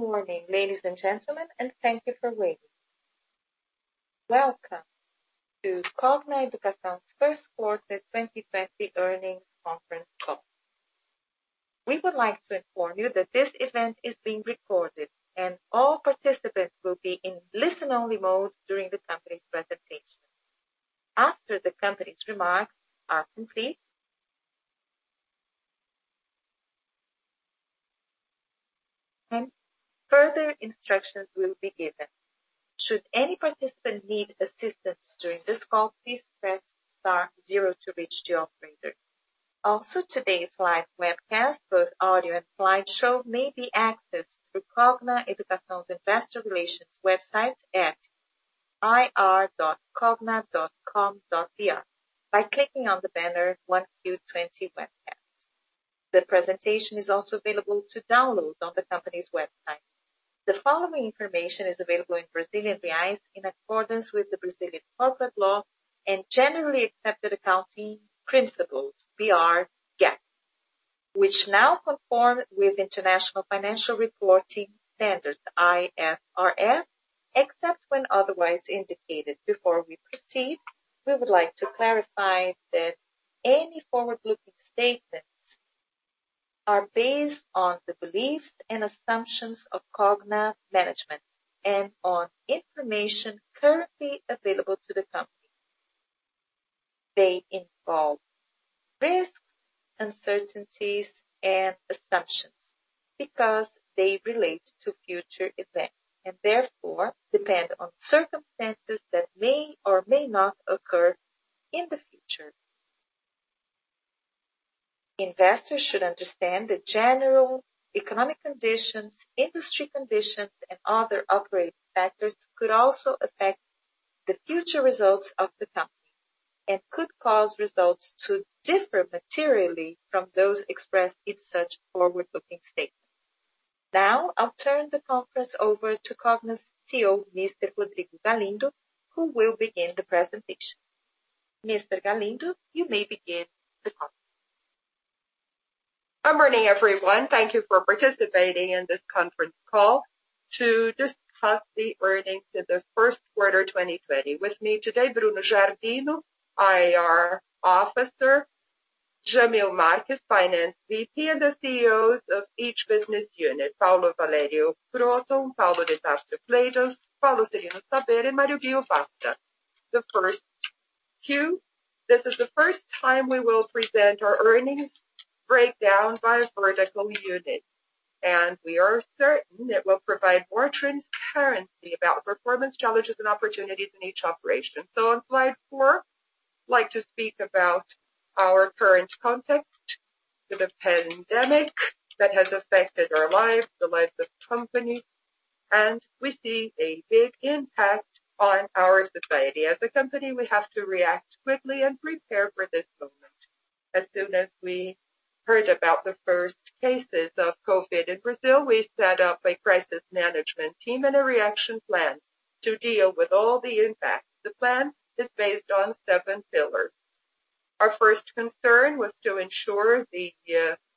Good morning, ladies and gentlemen, and thank you for waiting. Welcome to Cogna Educação's First Quarter 2020 Earnings Conference Call. We would like to inform you that this event is being recorded, and all participants will be in listen-only mode during the company's presentation. After the company's remarks are complete, further instructions will be given. Should any participant need assistance during this call, please press star zero to reach the operator. Also, today's live webcast, both audio and slideshow, may be accessed through Cogna Educação's investor relations website at ir.cogna.com.br by clicking on the banner 1Q 2020 Webcast. The presentation is also available to download on the company's website. The following information is available in Brazilian reais in accordance with the Brazilian corporate law and generally accepted accounting principles, BR GAAP, which now conform with International Financial Reporting Standards, IFRS, except when otherwise indicated. Before we proceed, we would like to clarify that any forward-looking statements are based on the beliefs and assumptions of Cogna management and on information currently available to the company. They involve risks, uncertainties, and assumptions because they relate to future events, and therefore depend on circumstances that may or may not occur in the future. Investors should understand that general economic conditions, industry conditions, and other operating factors could also affect the future results of the company and could cause results to differ materially from those expressed in such forward-looking statements. Now, I'll turn the conference over to Cogna's CEO, Mr. Rodrigo Galindo, who will begin the presentation. Mr. Galindo, you may begin the conference. Good morning, everyone. Thank you for participating in this conference call to discuss the earnings of the first quarter 2020. With me today, Bruno Jardim, IR officer, Jamil Marques, Finance VP, and the CEOs of each business unit, Paulo Valério, Kroton, Paulo de Tarso, Platos, Paulo Serino, Saber, and Mario Ghio, Vasta. The first cue. This is the first time we will present our earnings breakdown by vertical unit. We are certain it will provide more transparency about performance challenges and opportunities in each operation. On slide four, I'd like to speak about our current context with the pandemic that has affected our lives, the lives of companies. We see a big impact on our society. As a company, we have to react quickly and prepare for this moment. As soon as we heard about the first cases of COVID in Brazil, we set up a crisis management team and a reaction plan to deal with all the impacts. The plan is based on seven pillars. Our first concern was to ensure the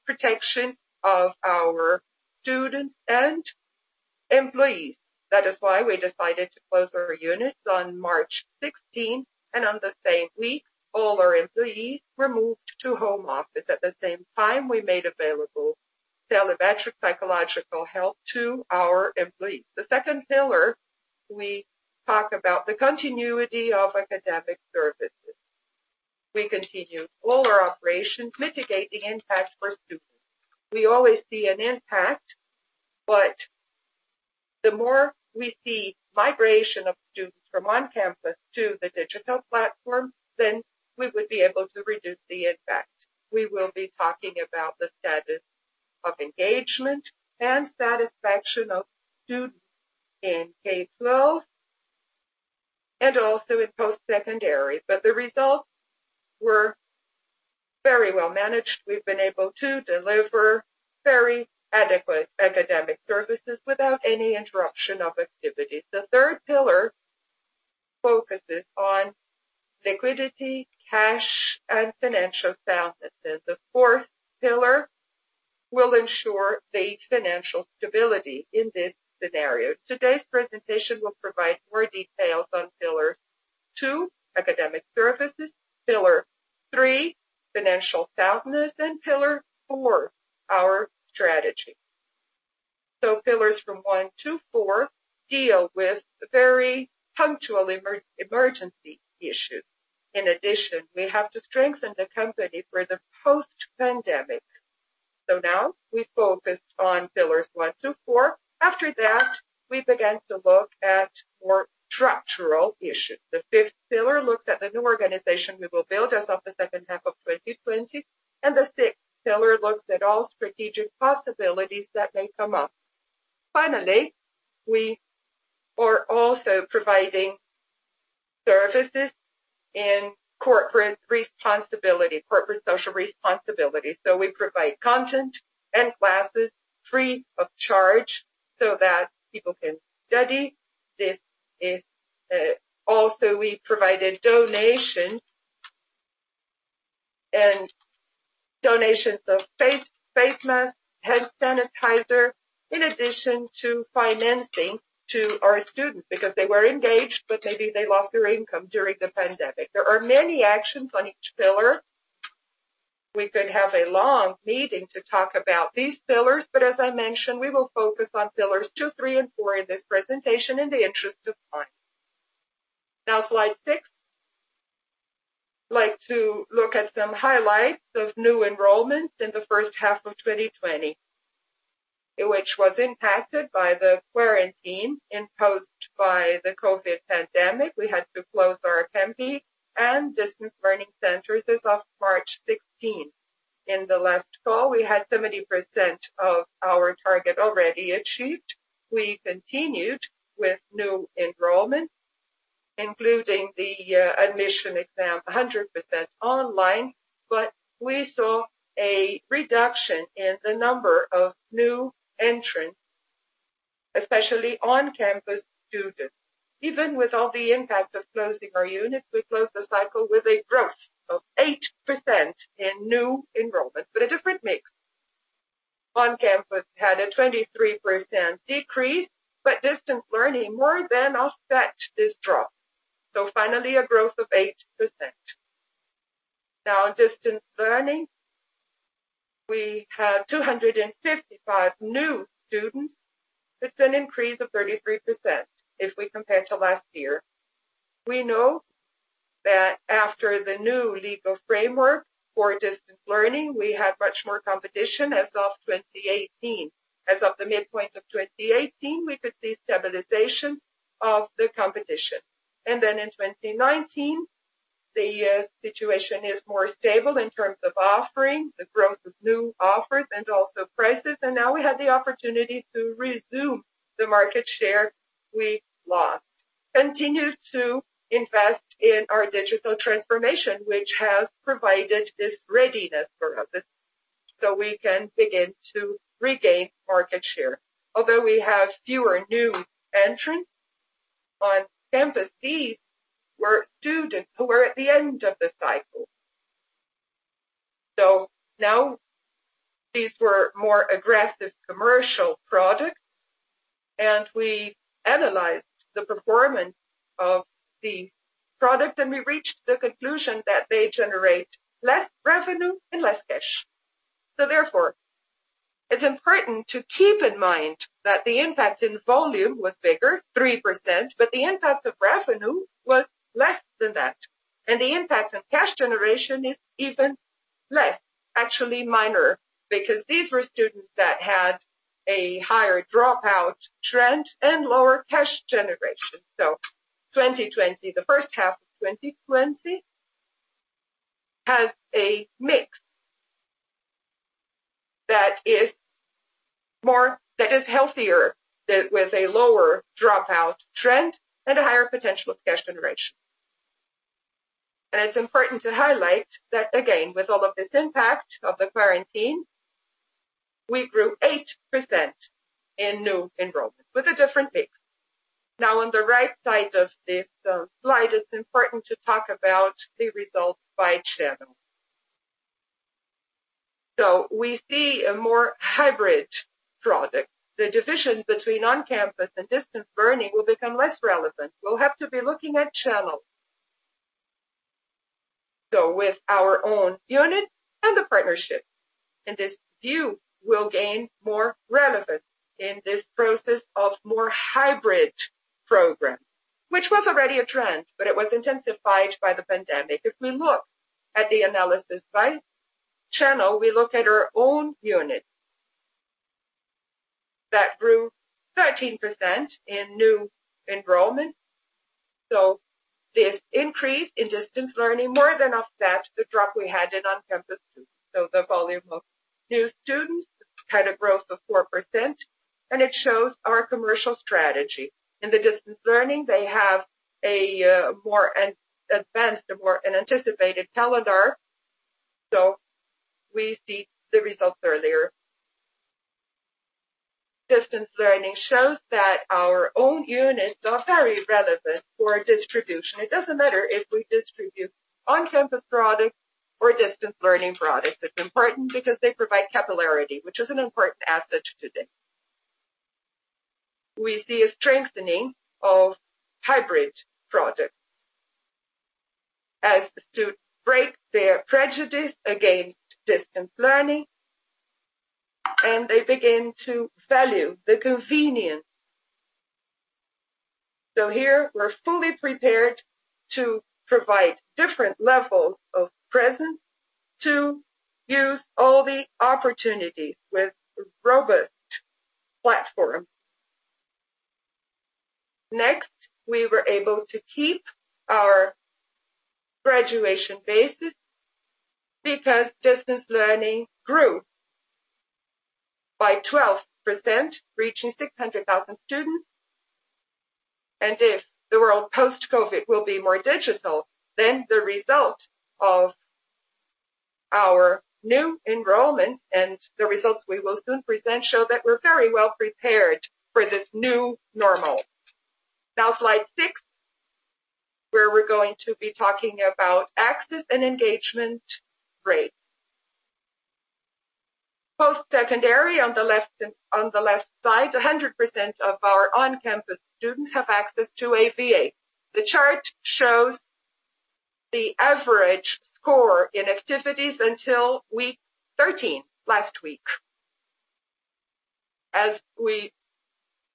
protection of our students and employees. That is why we decided to close our units on March 16th, and on the same week, all our employees were moved to home office. At the same time, we made available telemetric psychological help to our employees. The second pillar, we talk about the continuity of academic services. We continue all our operations, mitigate the impact for students. We always see an impact, but the more we see migration of students from on campus to the digital platform, then we would be able to reduce the impact. We will be talking about the status of engagement and satisfaction of students in K-12 and also in post-secondary. The results were very well managed. We've been able to deliver very adequate academic services without any interruption of activities. The third pillar focuses on liquidity, cash, and financial soundness. The fourth pillar will ensure the financial stability in this scenario. Today's presentation will provide more details on pillar two, academic services, pillar three, financial soundness, and pillar four, our strategy. Pillars from one to four deal with very punctual emergency issues. In addition, we have to strengthen the company for the post-pandemic. Now we focused on pillars one through four. After that, we began to look at more structural issues. The fifth pillar looks at the new organization we will build as of the second half of 2020, and the sixth pillar looks at all strategic possibilities that may come up. Finally, we are also providing services in corporate responsibility, corporate social responsibility. We provide content and classes free of charge so that people can study. Also, we provided donations of face masks, hand sanitizer, in addition to financing to our students because they were engaged, but maybe they lost their income during the pandemic. There are many actions on each pillar. We could have a long meeting to talk about these pillars, but as I mentioned, we will focus on pillars two, three, and four in this presentation in the interest of time. Now, slide six. I'd like to look at some highlights of new enrollments in the first half of 2020, which was impacted by the quarantine imposed by the COVID pandemic. We had to close our campus and distance learning centers as of March 16. In the last call, we had 70% of our target already achieved. We continued with new enrollment, including the admission exam 100% online, but we saw a reduction in the number of new entrants, especially on-campus students. Even with all the impact of closing our units, we closed the cycle with a growth of 8% in new enrollment, but a different mix. On-campus had a 23% decrease, but distance learning more than offset this drop. Finally, a growth of 8%. Now, in distance learning, we had 255 new students. It's an increase of 33% if we compare to last year. We know that after the new legal framework for distance learning, we had much more competition as of 2018. As of the midpoint of 2018, we could see stabilization of the competition. In 2019, the situation is more stable in terms of offering, the growth of new offers and also prices, and now we have the opportunity to resume the market share we lost. We continue to invest in our digital transformation, which has provided this readiness for us, so we can begin to regain market share. Although we have fewer new entrants on campus, these were students who were at the end of the cycle. Now these were more aggressive commercial products, and we analyzed the performance of the product, and we reached the conclusion that they generate less revenue and less cash. Therefore, it's important to keep in mind that the impact in volume was bigger, 3%, but the impact of revenue was less than that. The impact on cash generation is even less, actually minor, because these were students that had a higher dropout trend and lower cash generation. 2020, the first half of 2020, has a mix that is healthier with a lower dropout trend and a higher potential of cash generation. It's important to highlight that, again, with all of this impact of the quarantine, we grew 8% in new enrollment with a different mix. Now, on the right side of this slide, it's important to talk about the results by channel. We see a more hybrid product. The division between on-campus and distance learning will become less relevant. We'll have to be looking at channels. With our own unit and the partnership, and this view will gain more relevance in this process of more hybrid programs, which was already a trend, but it was intensified by the pandemic. If we look at the analysis by channel, we look at our own unit. That grew 13% in new enrollment. This increase in distance learning more than offset the drop we had in on-campus students. The volume of new students had a growth of 4%, and it shows our commercial strategy. In the distance learning, they have a more advanced, a more anticipated calendar, so we see the results earlier. Distance learning shows that our own units are very relevant for distribution. It doesn't matter if we distribute on-campus products or distance learning products. It's important because they provide capillarity, which is an important asset today. We see a strengthening of hybrid products as the students break their prejudice against distance learning, and they begin to value the convenience. Here we're fully prepared to provide different levels of presence to use all the opportunities with a robust platform. Next, we were able to keep our graduation basis because distance learning grew by 12%, reaching 600,000 students. If the world post-COVID will be more digital, then the result of our new enrollment and the results we will soon present show that we're very well prepared for this new normal. Slide six, where we're going to be talking about access and engagement rates. Post-secondary on the left side, 100% of our on-campus students have access to AVA. The chart shows the average score in activities until week 13 last week. As we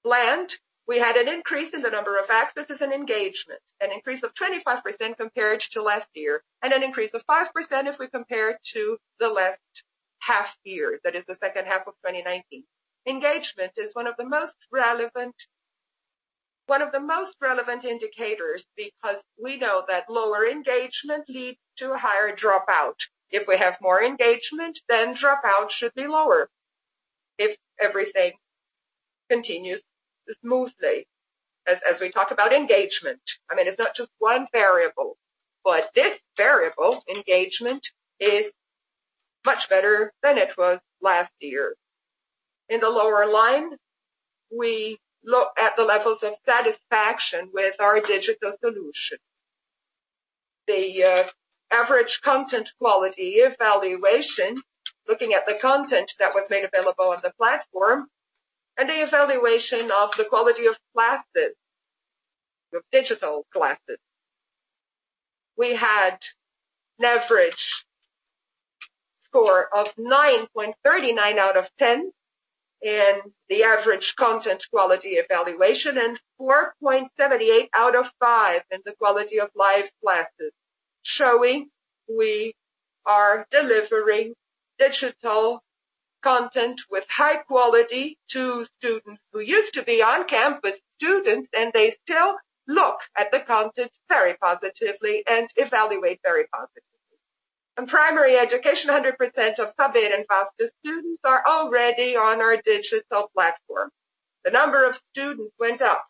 planned, we had an increase in the number of access and engagement. An increase of 25% compared to last year. An increase of 5% if we compare it to the last half year, that is the second half of 2019. Engagement is one of the most relevant indicators because we know that lower engagement leads to higher dropout. If we have more engagement, dropout should be lower, if everything continues smoothly. As we talk about engagement, I mean, it is not just one variable, but this variable, engagement, is much better than it was last year. In the lower line, we look at the levels of satisfaction with our digital solution, the average content quality evaluation, looking at the content that was made available on the platform, and the evaluation of the quality of digital classes. We had an average score of 9.39 out of 10 in the average content quality evaluation, and 4.78 out of five in the quality of live classes, showing we are delivering digital content with high quality to students who used to be on-campus students, and they still look at the content very positively and evaluate very positively. In primary education, 100% of Saber and Vasta students are already on our digital platform. The number of students went up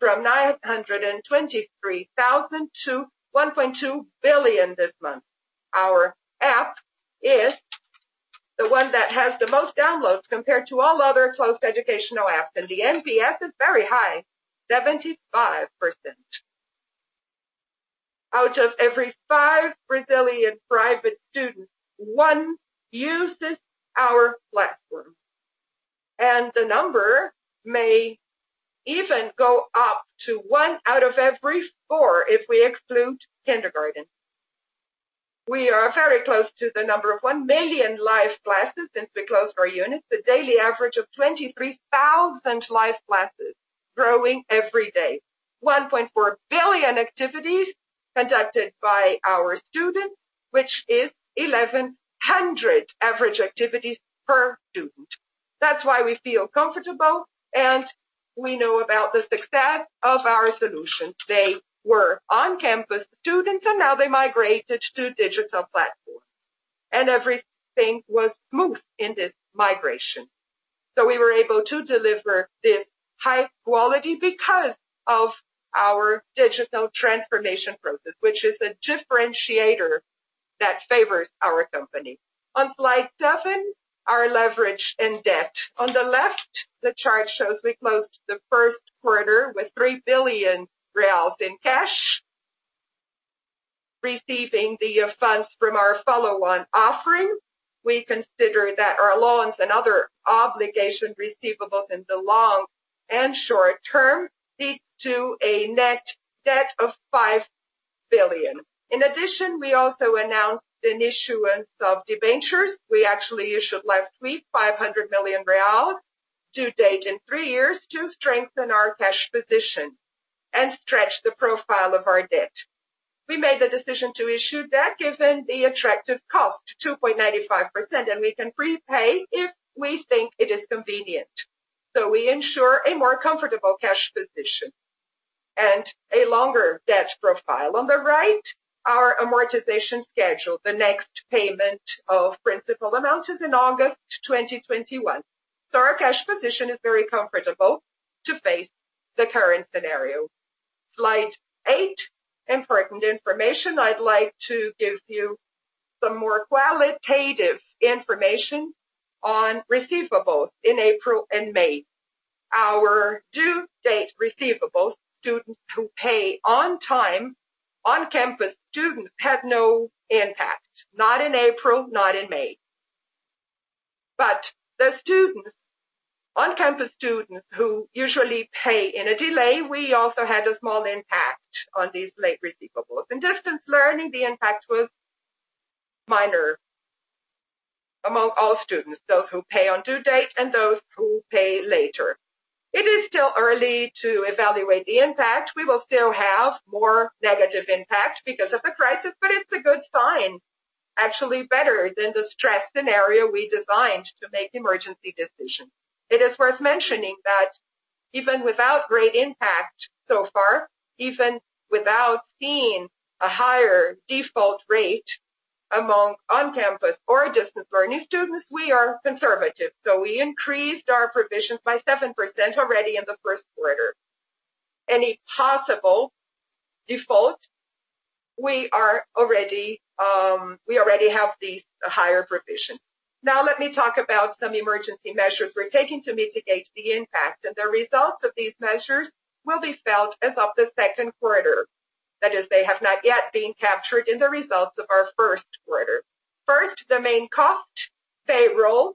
from 923,000 to 1.2 billion this month. Our app is the one that has the most downloads compared to all other closed educational apps, and the NPS is very high, 75%. Out of every five Brazilian private students, one uses our platform. The number may even go up to one out of every four if we exclude kindergarten. We are very close to the number of 1 million live classes since we closed our units. A daily average of 23,000 live classes growing every day. 1.4 billion activities conducted by our students, which is 1,100 average activities per student. That's why we feel comfortable, and we know about the success of our solution. They were on-campus students, now they migrated to a digital platform. Everything was smooth in this migration. We were able to deliver this high quality because of our digital transformation process, which is a differentiator that favors our company. On slide seven, our leverage and debt. On the left, the chart shows we closed the first quarter with 3 billion reais in cash, receiving the funds from our follow-on offering. We consider that our loans and other obligation receivables in the long and short term lead to a net debt of 5 billion. We also announced an issuance of debentures. We actually issued last week 500 million reais due date in three years to strengthen our cash position and stretch the profile of our debt. We made the decision to issue that given the attractive cost, 2.95%, and we can prepay if we think it is convenient. We ensure a more comfortable cash position and a longer debt profile. On the right, our amortization schedule. The next payment of principal amount is in August 2021. Our cash position is very comfortable to face the current scenario. Slide eight. Important information. I'd like to give you some more qualitative information on receivables in April and May. Our due date receivables, students who pay on time, on-campus students had no impact, not in April, not in May. The on-campus students who usually pay in a delay, we also had a small impact on these late receivables. In distance learning, the impact was minor among all students, those who pay on due date and those who pay later. It is still early to evaluate the impact. We will still have more negative impact because of the crisis, but it's a good sign. Actually better than the stress scenario we designed to make emergency decisions. It is worth mentioning that even without great impact so far, even without seeing a higher default rate among on-campus or distance learning students, we are conservative. We increased our provisions by 7% already in the first quarter. Any possible default. We already have this higher provision. Let me talk about some emergency measures we're taking to mitigate the impact. The results of these measures will be felt as of the second quarter. That is, they have not yet been captured in the results of our first quarter. First, the main cost, payroll.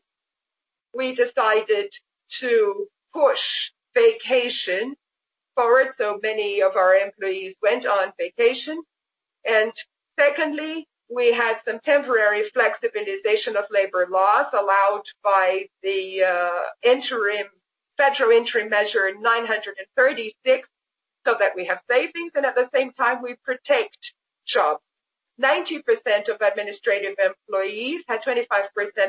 We decided to push vacation forward. Many of our employees went on vacation. Secondly, we had some temporary flexibilization of labor laws allowed by the Federal Interim Measure 936, that we have savings and at the same time, we protect jobs. 90% of administrative employees had 25%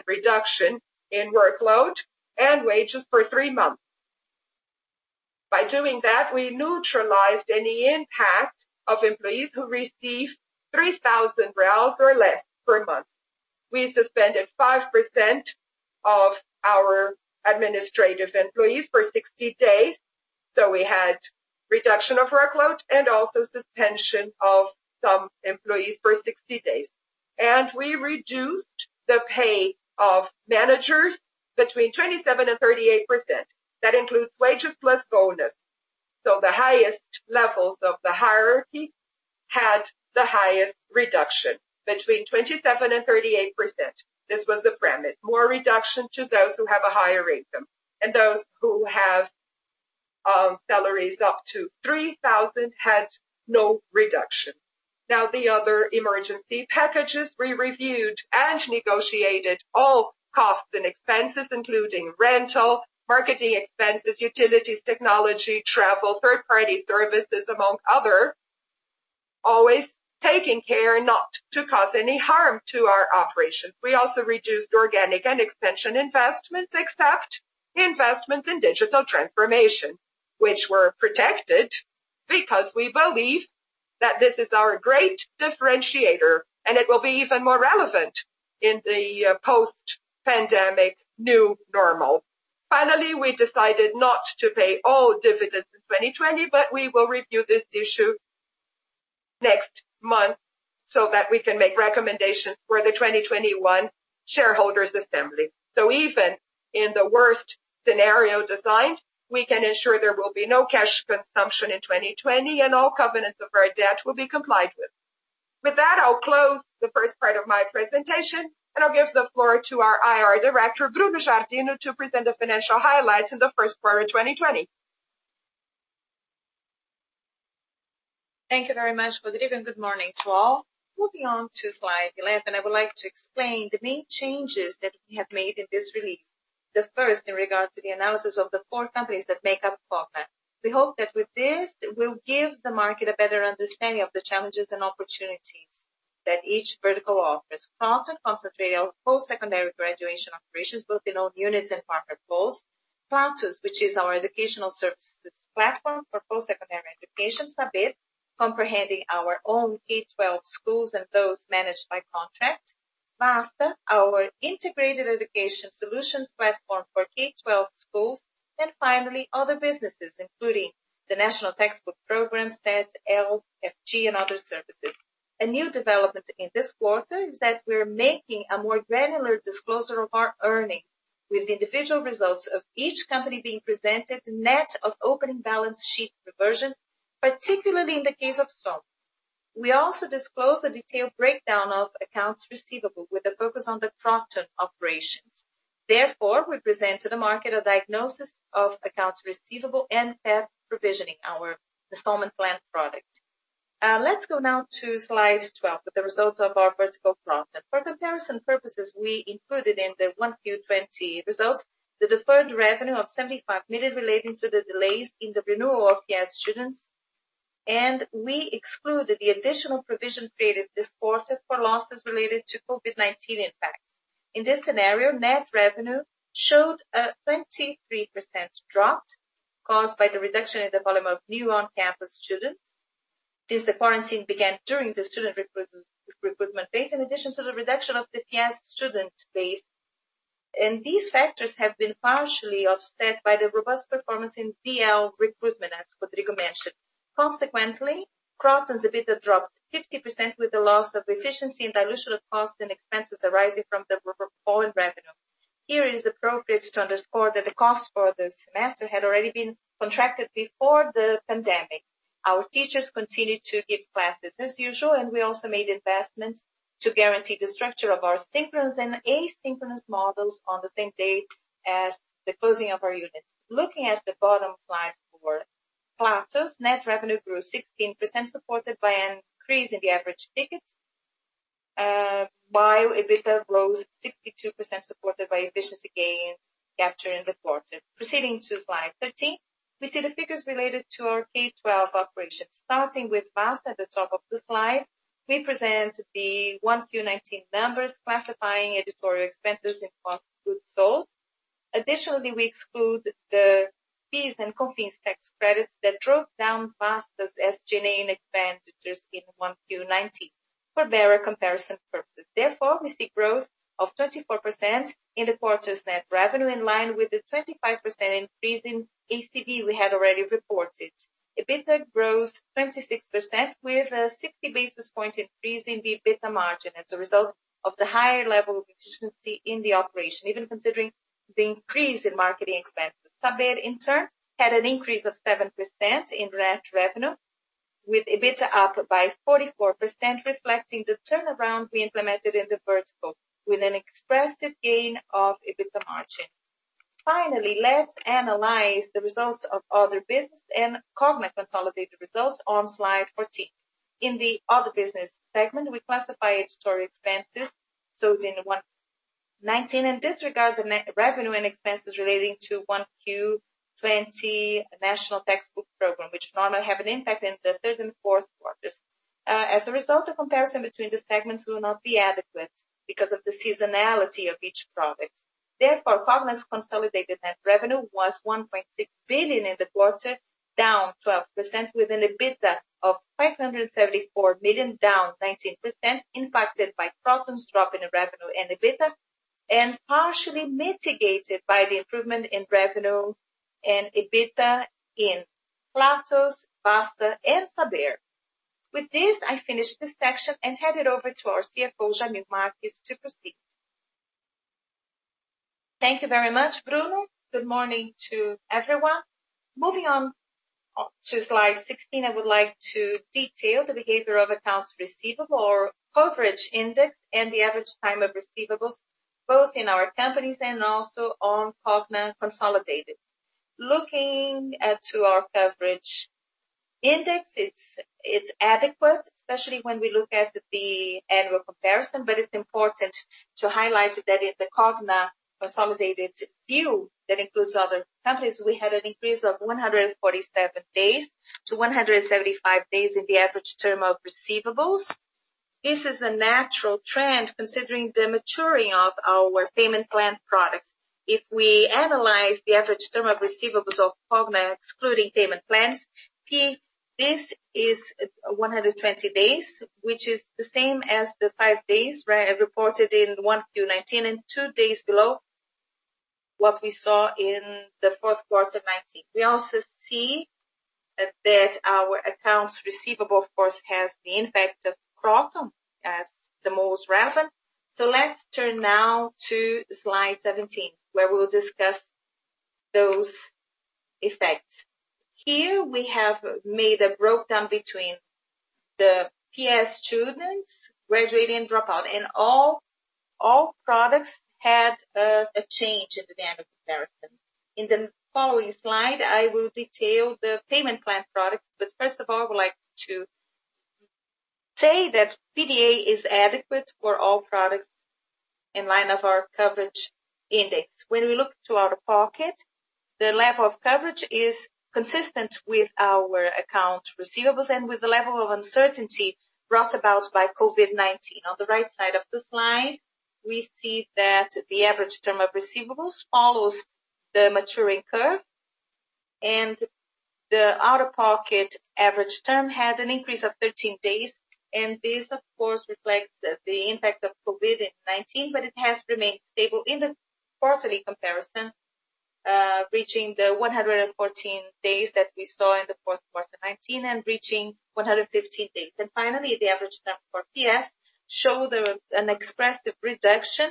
reduction in workload and wages for three months. By doing that, we neutralized any impact of employees who receive 3,000 reais or less per month. We suspended 5% of our administrative employees for 60 days. We had reduction of workload and also suspension of some employees for 60 days. We reduced the pay of managers between 27% and 38%. That includes wages plus bonus. The highest levels of the hierarchy had the highest reduction between 27% and 38%. This was the premise. More reduction to those who have a higher income. Those who have salaries up to 3,000 had no reduction. The other emergency packages we reviewed and negotiated all costs and expenses, including rental, marketing expenses, utilities, technology, travel, third-party services, among other, always taking care not to cause any harm to our operations. We also reduced organic and expansion investments, except investments in digital transformation, which were protected because we believe that this is our great differentiator, and it will be even more relevant in the post-pandemic new normal. Finally, we decided not to pay all dividends in 2020, but we will review this issue next month so that we can make recommendations for the 2021 shareholders' assembly. Even in the worst scenario designed, we can ensure there will be no cash consumption in 2020, and all covenants of our debt will be complied with. With that, I'll close the first part of my presentation, and I'll give the floor to our IR director, Bruno Jardim, to present the financial highlights in the first quarter of 2020. Thank you very much, Rodrigo. Good morning to all. Moving on to slide 11, I would like to explain the main changes that we have made in this release. The first, in regard to the analysis of the four companies that make up Cogna. We hope that with this, we'll give the market a better understanding of the challenges and opportunities that each vertical offers. Kroton concentrate our post-secondary graduation operations, both in owned units and partner schools. Platos, which is our educational services platform for post-secondary education. Saber, comprehending our own K-12 schools and those managed by contract. Vasta, our integrated education solutions platform for K-12 schools. Finally, other businesses, including the national textbook program, TED, L, FG, and other services. A new development in this quarter is that we're making a more granular disclosure of our earnings, with individual results of each company being presented net of opening balance sheet reversions, particularly in the case of Somos. We also disclose a detailed breakdown of accounts receivable with a focus on the Kroton operations. We present to the market a diagnosis of accounts receivable and PEP provisioning our installment plan product. Let's go now to slide 12 with the results of our vertical Kroton. For comparison purposes, we included in the 1Q 2020 results the deferred revenue of 75 million relating to the delays in the renewal of PEP students, and we excluded the additional provision created this quarter for losses related to COVID-19 impact. In this scenario, net revenue showed a 23% drop caused by the reduction in the volume of new on-campus students since the quarantine began during the student recruitment phase, in addition to the reduction of the PEP student base. These factors have been partially offset by the robust performance in DL recruitment, as Rodrigo mentioned. Consequently, Kroton's EBITDA dropped 50% with the loss of efficiency and dilution of costs and expenses arising from the falling revenue. Here it is appropriate to underscore that the cost for the semester had already been contracted before the pandemic. Our teachers continued to give classes as usual, and we also made investments to guarantee the structure of our synchronous and asynchronous models on the same day as the closing of our units. Looking at the bottom line for Platos, net revenue grew 16%, supported by an increase in the average ticket, while EBITDA rose 62%, supported by efficiency gains captured in the quarter. Proceeding to slide 13, we see the figures related to our K-12 operations. Starting with Vasta at the top of the slide, we present the 1Q 2019 numbers classifying editorial expenses and cost of goods sold. Additionally, we exclude the PIS and COFINS tax credits that drove down Vasta's SG&A and expenditures in 1Q 2019. For better comparison purposes. Therefore, we see growth of 34% in the quarter's net revenue, in line with the 25% increase in ACV we had already reported. EBITDA grows 26% with a 60 basis points increase in the EBITDA margin as a result of the higher level of efficiency in the operation, even considering the increase in marketing expenses. Saber, in turn, had an increase of 7% in net revenue, with EBITDA up by 44%, reflecting the turnaround we implemented in the vertical with an expressive gain of EBITDA margin. Let's analyze the results of other business and Cogna consolidated results on slide 14. In the other business segment, we classify editorial expenses sold in 2019 and disregard the net revenue and expenses relating to 1Q 2020 national textbook program, which normally have an impact in the third and fourth quarters. The comparison between the segments will not be adequate because of the seasonality of each product. Cogna's consolidated net revenue was 1.6 billion in the quarter, down 12%, with an EBITDA of 574 million, down 19%, impacted by Kroton's drop in revenue and EBITDA, and partially mitigated by the improvement in revenue and EBITDA in Platos, Vasta and Saber. With this, I finish this section and hand it over to our CFO, Jamil Marques, to proceed. Thank you very much, Bruno. Good morning to everyone. Moving on to slide 16, I would like to detail the behavior of accounts receivable or coverage index and the average time of receivables, both in our companies and also on Cogna consolidated. Looking to our coverage index, it's adequate, especially when we look at the annual comparison, but it's important to highlight that in the Cogna consolidated view that includes other companies, we had an increase of 147 days to 175 days in the average term of receivables. This is a natural trend considering the maturing of our payment plan products. If we analyze the average term of receivables of Cogna excluding payment plans, this is 120 days, which is the same as the five days reported in 1Q 2019 and two days below what we saw in the fourth quarter 2019. We also see that our accounts receivable, of course, has the impact of Kroton as the most relevant. Let's turn now to slide 17, where we'll discuss those effects. Here, we have made a breakdown between the PEP students, graduating dropout, and all products had a change at the annual comparison. In the following slide, I will detail the payment plan products. First of all, I would like to say that PDD is adequate for all products in line of our coverage index. When we look to out-of-pocket, the level of coverage is consistent with our account receivables and with the level of uncertainty brought about by COVID-19. On the right side of the slide, we see that the average term of receivables follows the maturing curve. The out-of-pocket average term had an increase of 13 days. This, of course, reflects the impact of COVID-19, but it has remained stable in the quarterly comparison, reaching the 114 days that we saw in the fourth quarter 2019 and reaching 115 days. Finally, the average term for PEP show an expressive reduction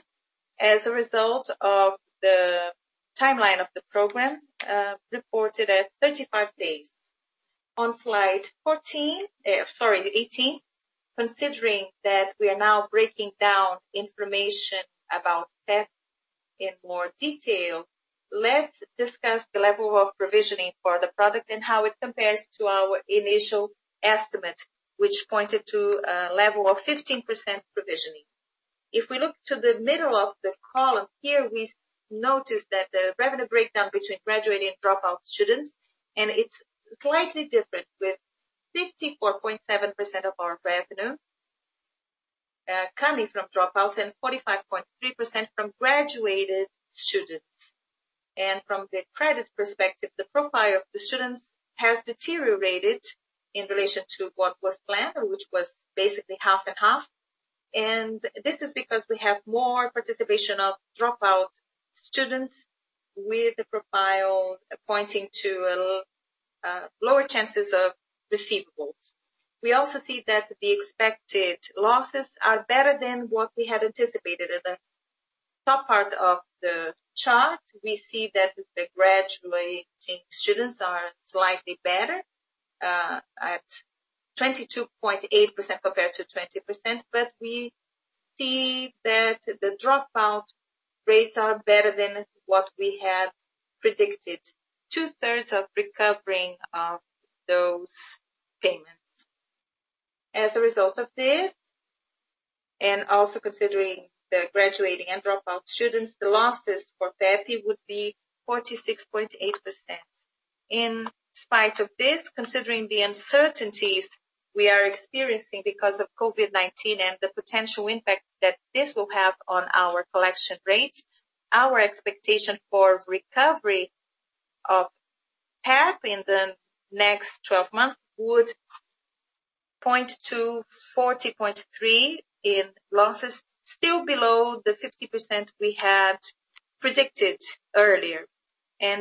as a result of the timeline of the program, reported at 35 days. On slide 14, sorry, 18, considering that we are now breaking down information about PEP in more detail, let's discuss the level of provisioning for the product and how it compares to our initial estimate, which pointed to a level of 15% provisioning. If we look to the middle of the column here, we notice that the revenue breakdown between graduating and dropout students, it's slightly different with 54.7% of our revenue coming from dropouts and 45.3% from graduated students. From the credit perspective, the profile of the students has deteriorated in relation to what was planned, which was basically half and half. This is because we have more participation of dropout students with a profile pointing to lower chances of receivables. We also see that the expected losses are better than what we had anticipated. At the top part of the chart, we see that the graduating students are slightly better, at 22.8% compared to 20%, we see that the dropout rates are better than what we have predicted. 2/3 of recovering of those payments. As a result of this, and also considering the graduating and dropout students, the losses for PEP would be 46.8%. In spite of this, considering the uncertainties we are experiencing because of COVID-19 and the potential impact that this will have on our collection rates, our expectation for recovery of PDD in the next 12 months would point to 40.3% in losses, still below the 50% we had predicted earlier.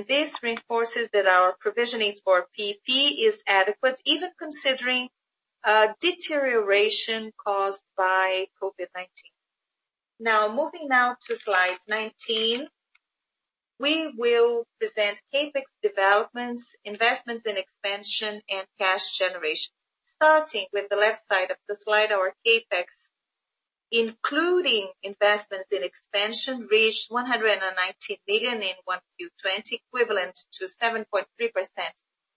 This reinforces that our provisioning for PEP is adequate, even considering deterioration caused by COVID-19. Moving now to slide 19. We will present CapEx developments, investments in expansion, and cash generation. Starting with the left side of the slide, our CapEx, including investments in expansion, reached 119 million in 1Q 2020, equivalent to 7.3%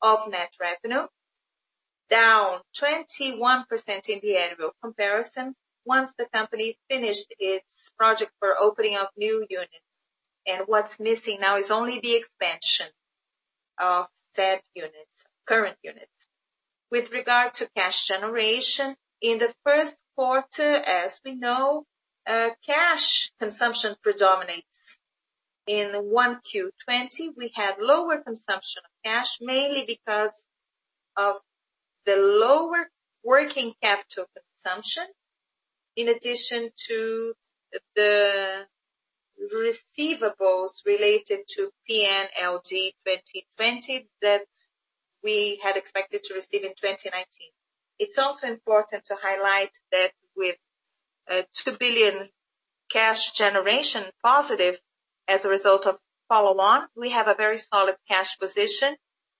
of net revenue, down 21% in the annual comparison once the company finished its project for opening up new units. What's missing now is only the expansion of said units, current units. With regard to cash generation, in the first quarter, as we know, cash consumption predominates. In 1Q 2020, we had lower consumption of cash, mainly because of the lower working capital consumption, in addition to the receivables related to PNLD 2020 that we had expected to receive in 2019. It's also important to highlight that with 2 billion cash generation positive as a result of follow-on, we have a very solid cash position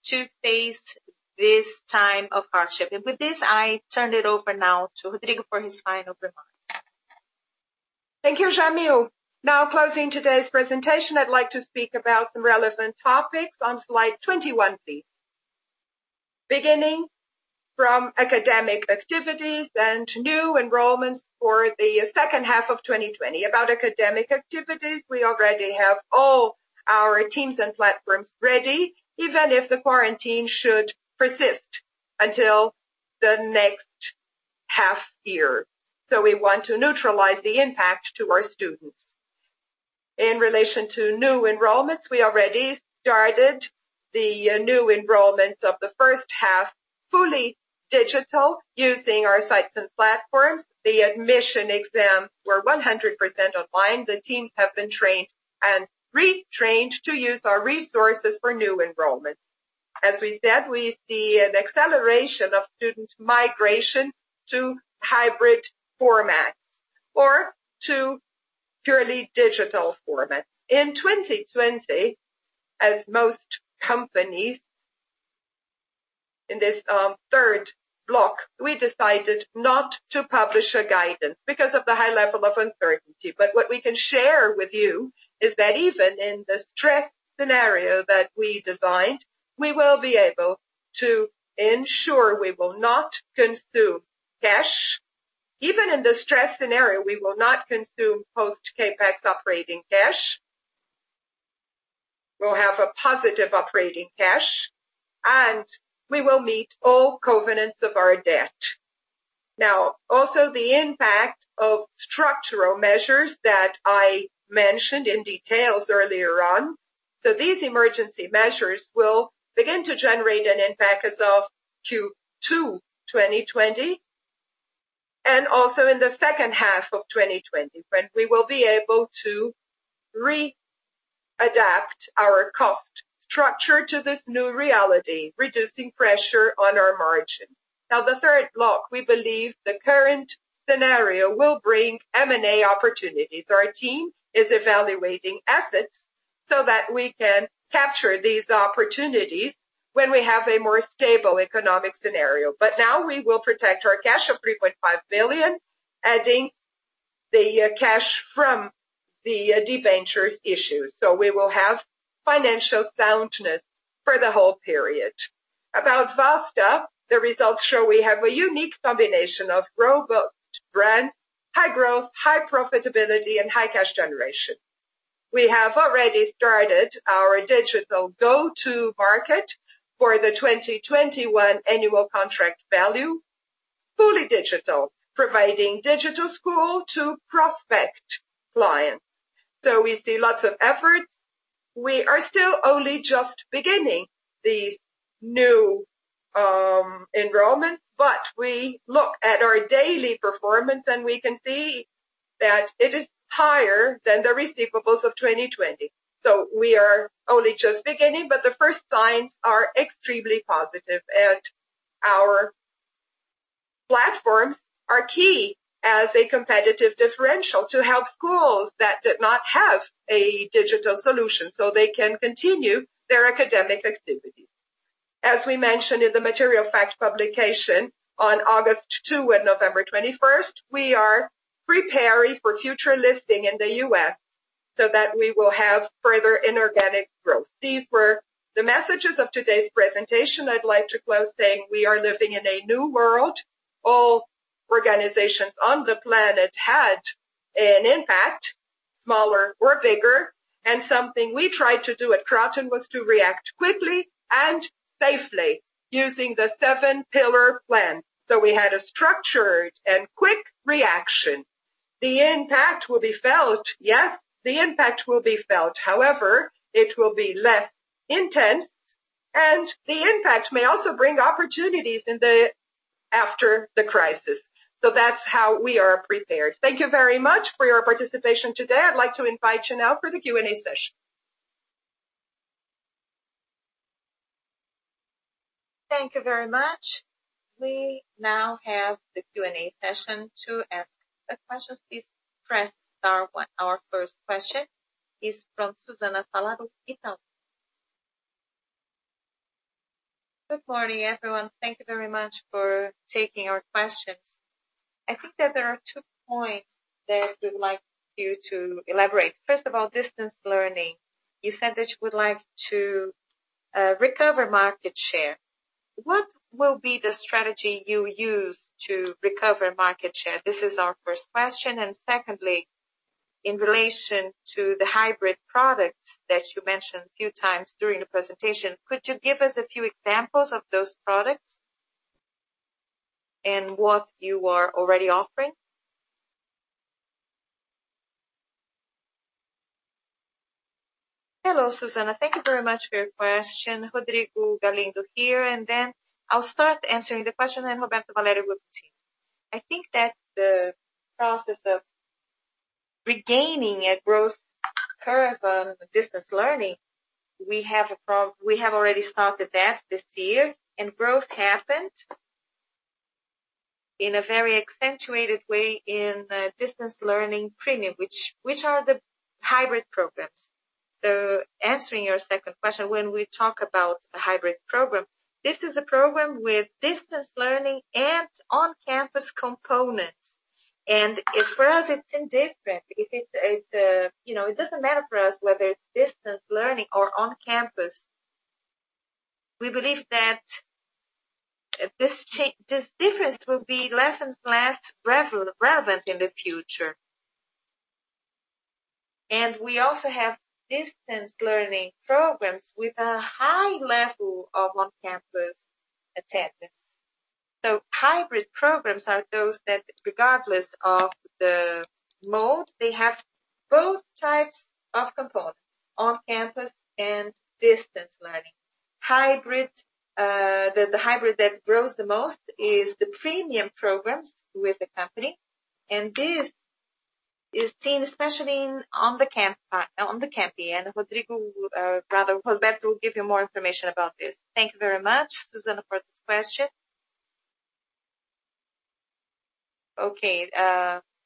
to face this time of hardship. With this, I turn it over now to Rodrigo for his final remarks. Thank you, Jamil. Closing today's presentation, I'd like to speak about some relevant topics on slide 21 please. Beginning from academic activities and new enrollments for the second half of 2020. About academic activities, we already have all our teams and platforms ready, even if the quarantine should persist until the next half year. We want to neutralize the impact to our students. In relation to new enrollments, we already started the new enrollments of the first half fully digital using our sites and platforms. The admission exams were 100% online. The teams have been trained and retrained to use our resources for new enrollments. As we said, we see an acceleration of student migration to hybrid formats or to purely digital formats. In 2020, as most companies in this third block, we decided not to publish a guidance because of the high level of uncertainty. What we can share with you is that even in the stress scenario that we designed, we will be able to ensure we will not consume cash. Even in the stress scenario, we will not consume post-CapEx operating cash. We'll have a positive operating cash, and we will meet all covenants of our debt. Also the impact of structural measures that I mentioned in details earlier on. These emergency measures will begin to generate an impact as of Q2 2020, and also in the second half of 2020, when we will be able to readapt our cost structure to this new reality, reducing pressure on our margin. The third block, we believe the current scenario will bring M&A opportunities. Our team is evaluating assets so that we can capture these opportunities when we have a more stable economic scenario. Now we will protect our cash of 3.5 billion, adding the cash from the debentures issues. We will have financial soundness for the whole period. About Vasta, the results show we have a unique combination of robust brands, high growth, high profitability, and high cash generation. We have already started our digital go-to-market for the 2021 annual contract value, fully digital, providing digital school to prospect clients. We see lots of efforts. We are still only just beginning these new enrollments, but we look at our daily performance, and we can see that it is higher than the receivables of 2020. We are only just beginning, but the first signs are extremely positive, and our platforms are key as a competitive differential to help schools that did not have a digital solution, so they can continue their academic activities. As we mentioned in the material fact publication on August two and November 21st, we are preparing for future listing in the U.S. so that we will have further inorganic growth. These were the messages of today's presentation. I'd like to close saying we are living in a new world. All organizations on the planet had an impact, smaller or bigger. Something we tried to do at Kroton was to react quickly and safely using the seven-pillar plan. We had a structured and quick reaction. The impact will be felt. Yes, the impact will be felt. However, it will be less intense, and the impact may also bring opportunities after the crisis. That's how we are prepared. Thank you very much for your participation today. I'd like to invite you now for the Q&A session. Thank you very much. We now have the Q&A session. To ask a question, please press star one. Our first question is from Susana Salaru, Itaú. Good morning, everyone. Thank you very much for taking our questions. I think that there are two points that we'd like you to elaborate. First of all, distance learning. You said that you would like to recover market share. What will be the strategy you use to recover market share? This is our first question. Secondly, in relation to the hybrid products that you mentioned a few times during the presentation, could you give us a few examples of those products and what you are already offering? Hello, Susana. Thank you very much for your question. Rodrigo Galindo here, and then I'll start answering the question, and Roberto Valério will continue. I think that the process of regaining a growth curve on distance learning, we have already started that this year, and growth happened in a very accentuated way in the distance learning premium, which are the hybrid programs. Answering your second question, when we talk about a hybrid program, this is a program with distance learning and on-campus components. For us, it's indifferent. It doesn't matter for us whether it's distance learning or on campus. We believe that this difference will be less and less relevant in the future. We also have distance learning programs with a high level of on-campus attendance. Hybrid programs are those that regardless of the mode, they have both types of components: on-campus and distance learning. The hybrid that grows the most is the premium programs with the company. This is seen especially on the campus. Roberto will give you more information about this. Thank you very much, Susana, for this question. Okay.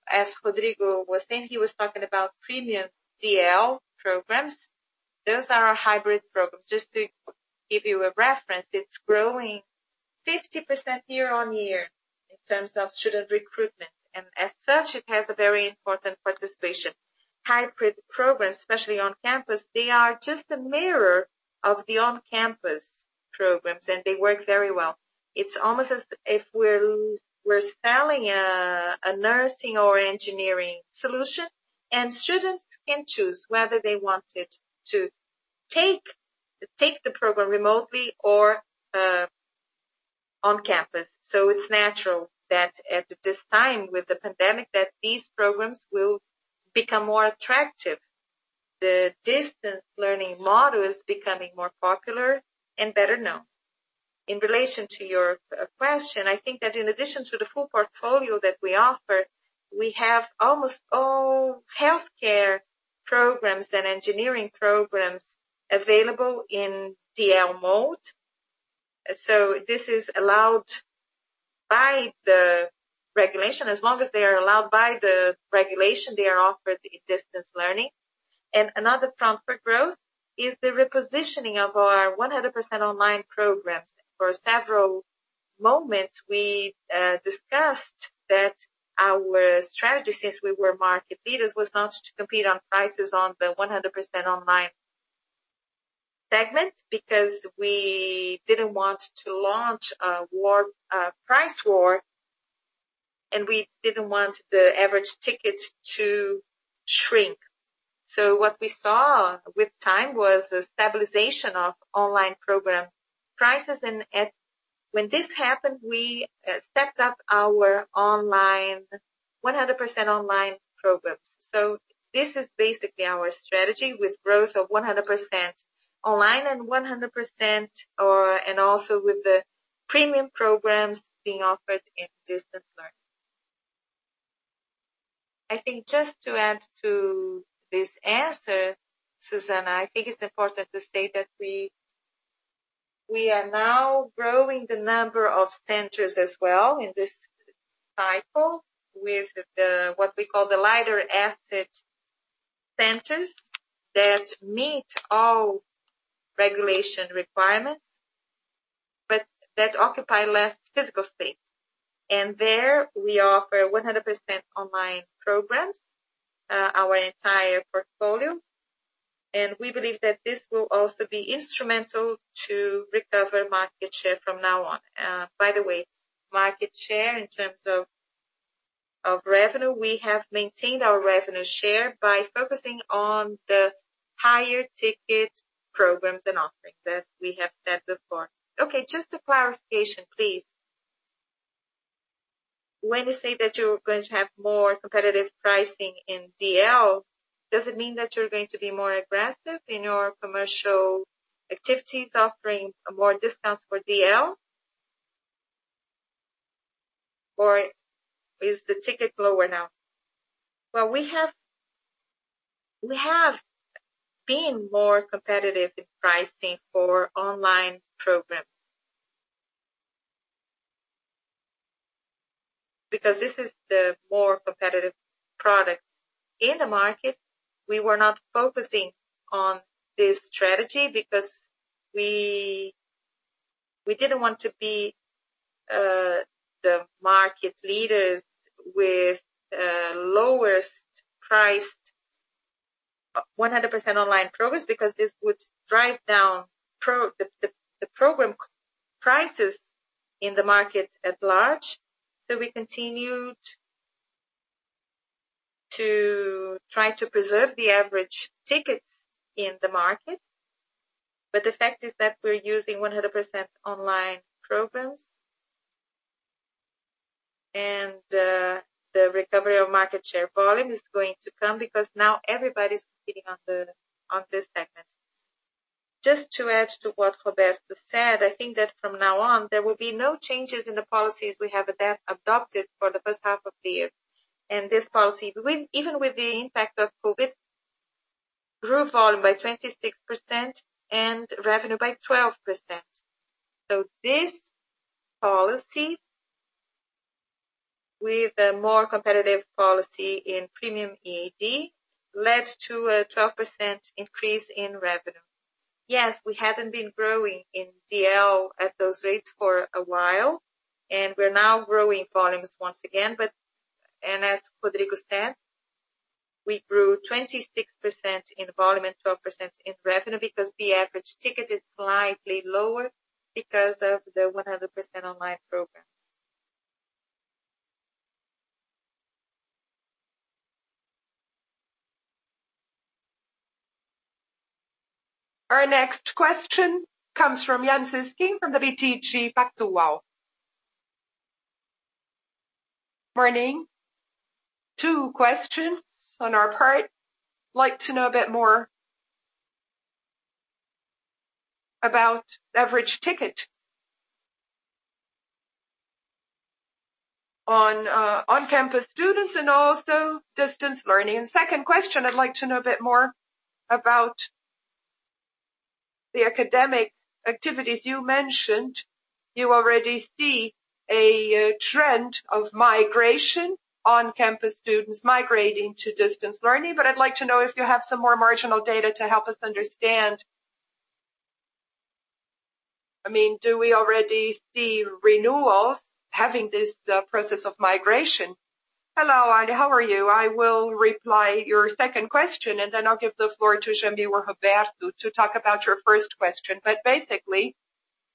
As Rodrigo was saying, he was talking about premium DL programs. Those are our hybrid programs. Just to give you a reference, it's growing 50% year-on-year in terms of student recruitment. As such, it has a very important participation. Hybrid programs, especially on campus, they are just a mirror of the on-campus programs, and they work very well. It's almost as if we're selling a nursing or engineering solution, and students can choose whether they want it to take the program remotely or on campus. It's natural that at this time with the pandemic, that these programs will become more attractive. The distance learning model is becoming more popular and better known. In relation to your question, I think that in addition to the full portfolio that we offer, we have almost all healthcare programs and engineering programs available in DL mode. This is allowed by the regulation. As long as they are allowed by the regulation, they are offered in distance learning. Another front for growth is the repositioning of our 100% online programs. For several moments, we discussed that our strategy since we were market leaders was not to compete on prices on the 100% online segment, because we didn't want to launch a price war, and we didn't want the average ticket to shrink. What we saw with time was a stabilization of online program prices. When this happened, we stepped up our 100% online programs. This is basically our strategy with growth of 100% online and also with the premium programs being offered in distance learning. I think just to add to this answer, Susana, I think it's important to say that we are now growing the number of centers as well in this cycle with the, what we call the lighter asset centers that meet all regulation requirements, but that occupy less physical space. There we offer 100% online programs, our entire portfolio. We believe that this will also be instrumental to recover market share from now on. By the way, market share in terms of revenue, we have maintained our revenue share by focusing on Higher ticket programs and offerings, as we have said before. Okay, just a clarification, please. When you say that you're going to have more competitive pricing in DL, does it mean that you're going to be more aggressive in your commercial activities, offering more discounts for DL? Or is the ticket lower now? Well, we have been more competitive in pricing for online programs. This is the more competitive product in the market. We were not focusing on this strategy because we didn't want to be the market leaders with the lowest priced 100% online programs, because this would drive down the program prices in the market at large. We continued to try to preserve the average tickets in the market, but the fact is that we're using 100% online programs. The recovery of market share volume is going to come because now everybody's competing on this segment. To add to what Roberto said, I think that from now on, there will be no changes in the policies we have adopted for the first half of the year. This policy, even with the impact of COVID, grew volume by 26% and revenue by 12%. This policy, with a more competitive policy in premium EAD, led to a 12% increase in revenue. We haven't been growing in DL at those rates for a while, and we're now growing volumes once again. As Rodrigo said, we grew 26% in volume and 12% in revenue because the average ticket is slightly lower because of the 100% online program. Our next question comes from Jan Szyszka from the BTG Pactual. Morning. Two questions on our part. I'd like to know a bit more about average ticket on on-campus students and also distance learning. Second question, I'd like to know a bit more about the academic activities you mentioned. You already see a trend of migration, on-campus students migrating to distance learning. I'd like to know if you have some more marginal data to help us understand. Do we already see renewals having this process of migration? Hello, Jan. How are you? I will reply your second question, and then I'll give the floor to Jamil or Roberto to talk about your first question. Basically,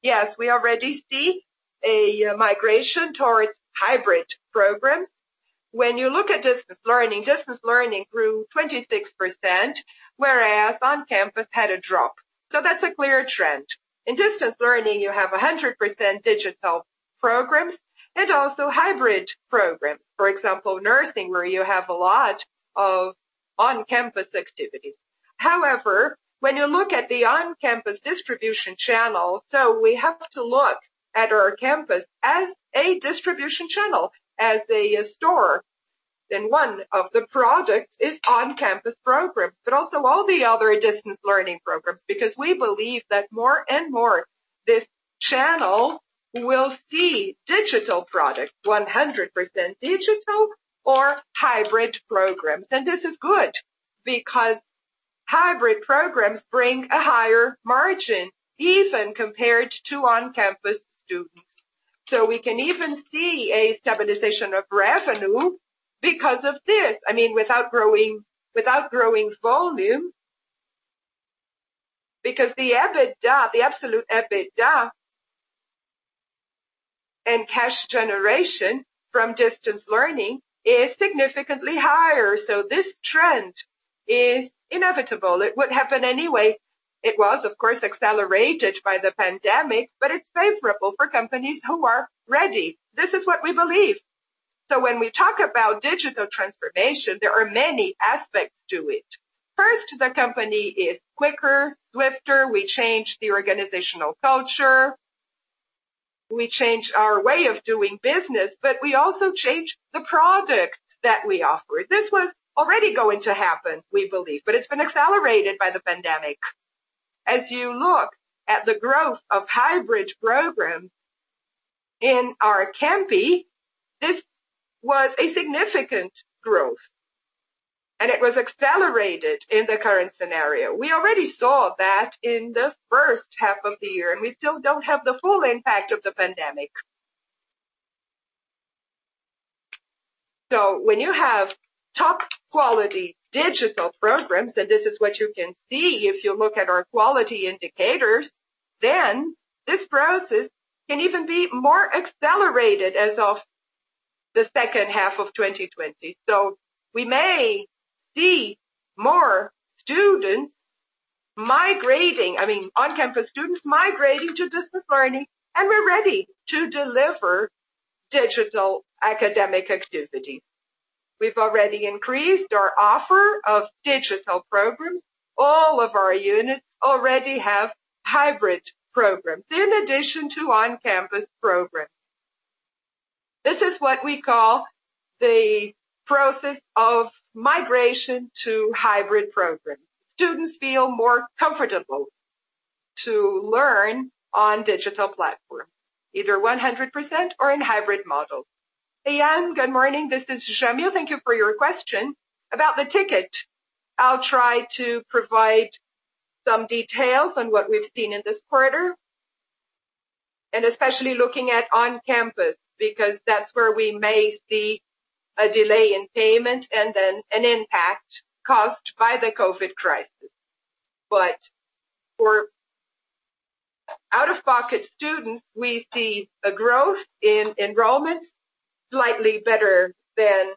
yes, we already see a migration towards hybrid programs. When you look at distance learning, distance learning grew 26%, whereas on-campus had a drop. That's a clear trend. In distance learning, you have 100% digital programs and also hybrid programs. For example, nursing, where you have a lot of on-campus activities. However, when you look at the on-campus distribution channel, we have to look at our campus as a distribution channel, as a store. One of the products is on-campus programs, but also all the other distance learning programs, because we believe that more and more, this channel will see digital product, 100% digital or hybrid programs. This is good because hybrid programs bring a higher margin even compared to on-campus students. We can even see a stabilization of revenue because of this. Without growing volume. Because the absolute EBITDA and cash generation from distance learning is significantly higher. This trend is inevitable. It would happen anyway. It was, of course, accelerated by the pandemic, but it's favorable for companies who are ready. This is what we believe. When we talk about digital transformation, there are many aspects to it. First, the company is quicker, swifter. We change the organizational culture. We change our way of doing business, but we also change the products that we offer. This was already going to happen, we believe, but it's been accelerated by the pandemic. As you look at the growth of hybrid programs in our campi, this was a significant growth, and it was accelerated in the current scenario. We already saw that in the first half of the year, and we still don't have the full impact of the pandemic. When you have top-quality digital programs, and this is what you can see if you look at our quality indicators, then this process can even be more accelerated as of. The second half of 2020. We may see more on-campus students migrating to distance learning, and we're ready to deliver digital academic activities. We've already increased our offer of digital programs. All of our units already have hybrid programs in addition to on-campus programs. This is what we call the process of migration to hybrid programs. Students feel more comfortable to learn on digital platforms, either 100% or in hybrid models. Jan, good morning. This is Jamil. Thank you for your question. About the ticket, I'll try to provide some details on what we've seen in this quarter, and especially looking at on-campus, because that's where we may see a delay in payment and then an impact caused by the COVID crisis. For out-of-pocket students, we see a growth in enrollments slightly better than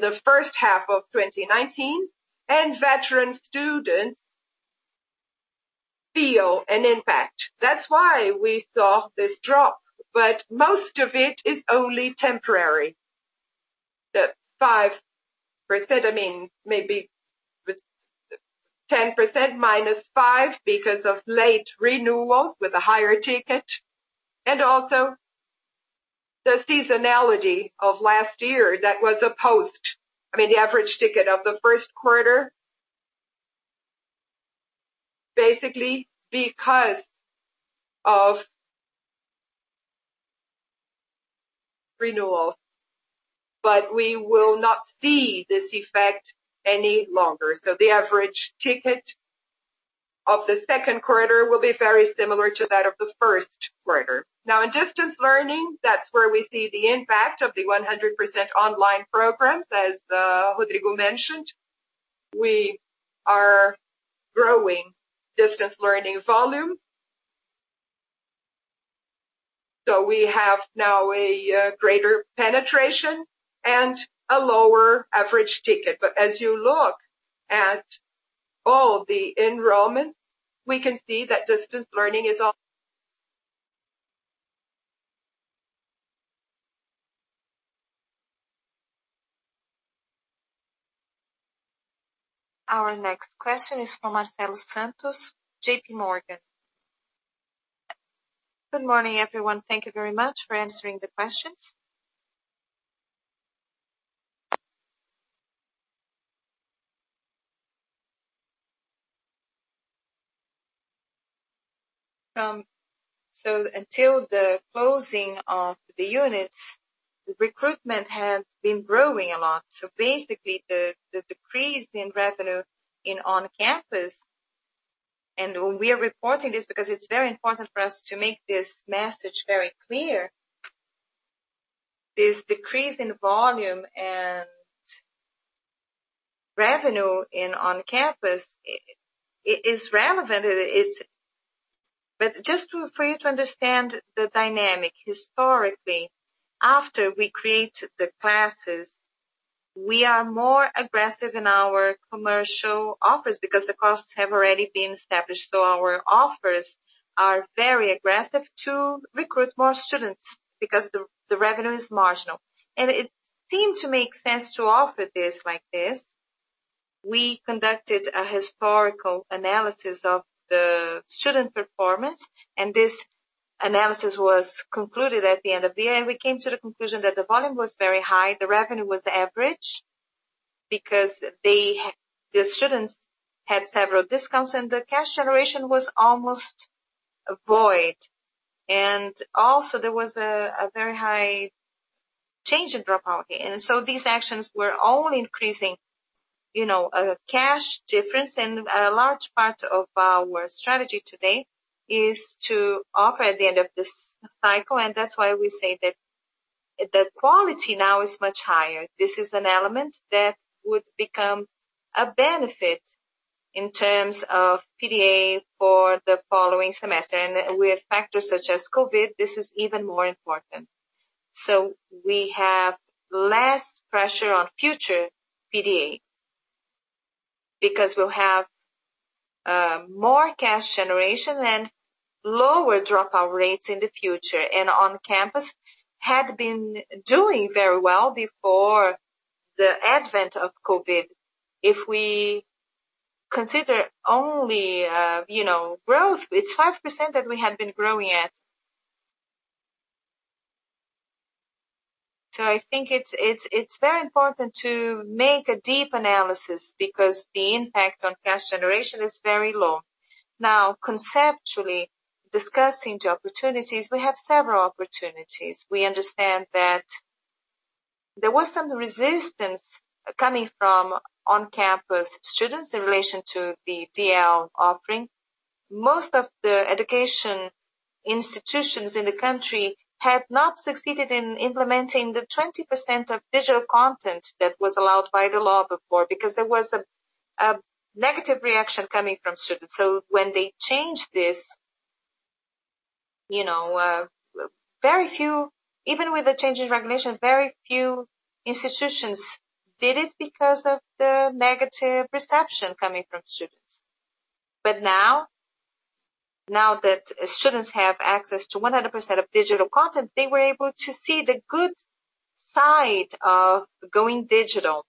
the first half of 2019, and veteran students feel an impact. That's why we saw this drop. Most of it is only temporary. The 5%, maybe 10% minus 5% because of late renewals with a higher ticket, and also the seasonality of last year that was opposed. The average ticket of the first quarter, basically because of renewals. We will not see this effect any longer. The average ticket of the second quarter will be very similar to that of the first quarter. Now, in distance learning, that's where we see the impact of the 100% online programs, as Rodrigo mentioned. We are growing distance learning volume. We have now a greater penetration and a lower average ticket. As you look at all the enrollment, we can see that distance learning is al- Our next question is from Marcelo Santos, J.P. Morgan. Good morning, everyone. Thank you very much for answering the questions. Until the closing of the units, the recruitment had been growing a lot. Basically the decrease in revenue in on-campus, and we are reporting this because it's very important for us to make this message very clear. This decrease in volume and revenue in on-campus is relevant. Just for you to understand the dynamic historically, after we create the classes, we are more aggressive in our commercial offers because the costs have already been established. Our offers are very aggressive to recruit more students because the revenue is marginal. It seemed to make sense to offer this like this. We conducted a historical analysis of the student performance, this analysis was concluded at the end of the year, we came to the conclusion that the volume was very high, the revenue was average, because the students had several discounts and the cash generation was almost void. Also there was a very high change in dropout rate. These actions were all increasing a cash difference, a large part of our strategy today is to offer at the end of this cycle, that's why we say that the quality now is much higher. This is an element that would become a benefit in terms of PDD for the following semester. With factors such as COVID, this is even more important. We have less pressure on future PDD because we'll have more cash generation and lower dropout rates in the future. On-campus had been doing very well before the advent of COVID. If we consider only growth, it's 5% that we had been growing at. I think it's very important to make a deep analysis because the impact on cash generation is very low. Now, conceptually discussing the opportunities, we have several opportunities. We understand that there was some resistance coming from on-campus students in relation to the DL offering. Most of the education institutions in the country had not succeeded in implementing the 20% of digital content that was allowed by the law before because there was a negative reaction coming from students. When they changed this, even with the change in regulation, very few institutions did it because of the negative perception coming from students. Now that students have access to 100% of digital content, they were able to see the good side of going digital.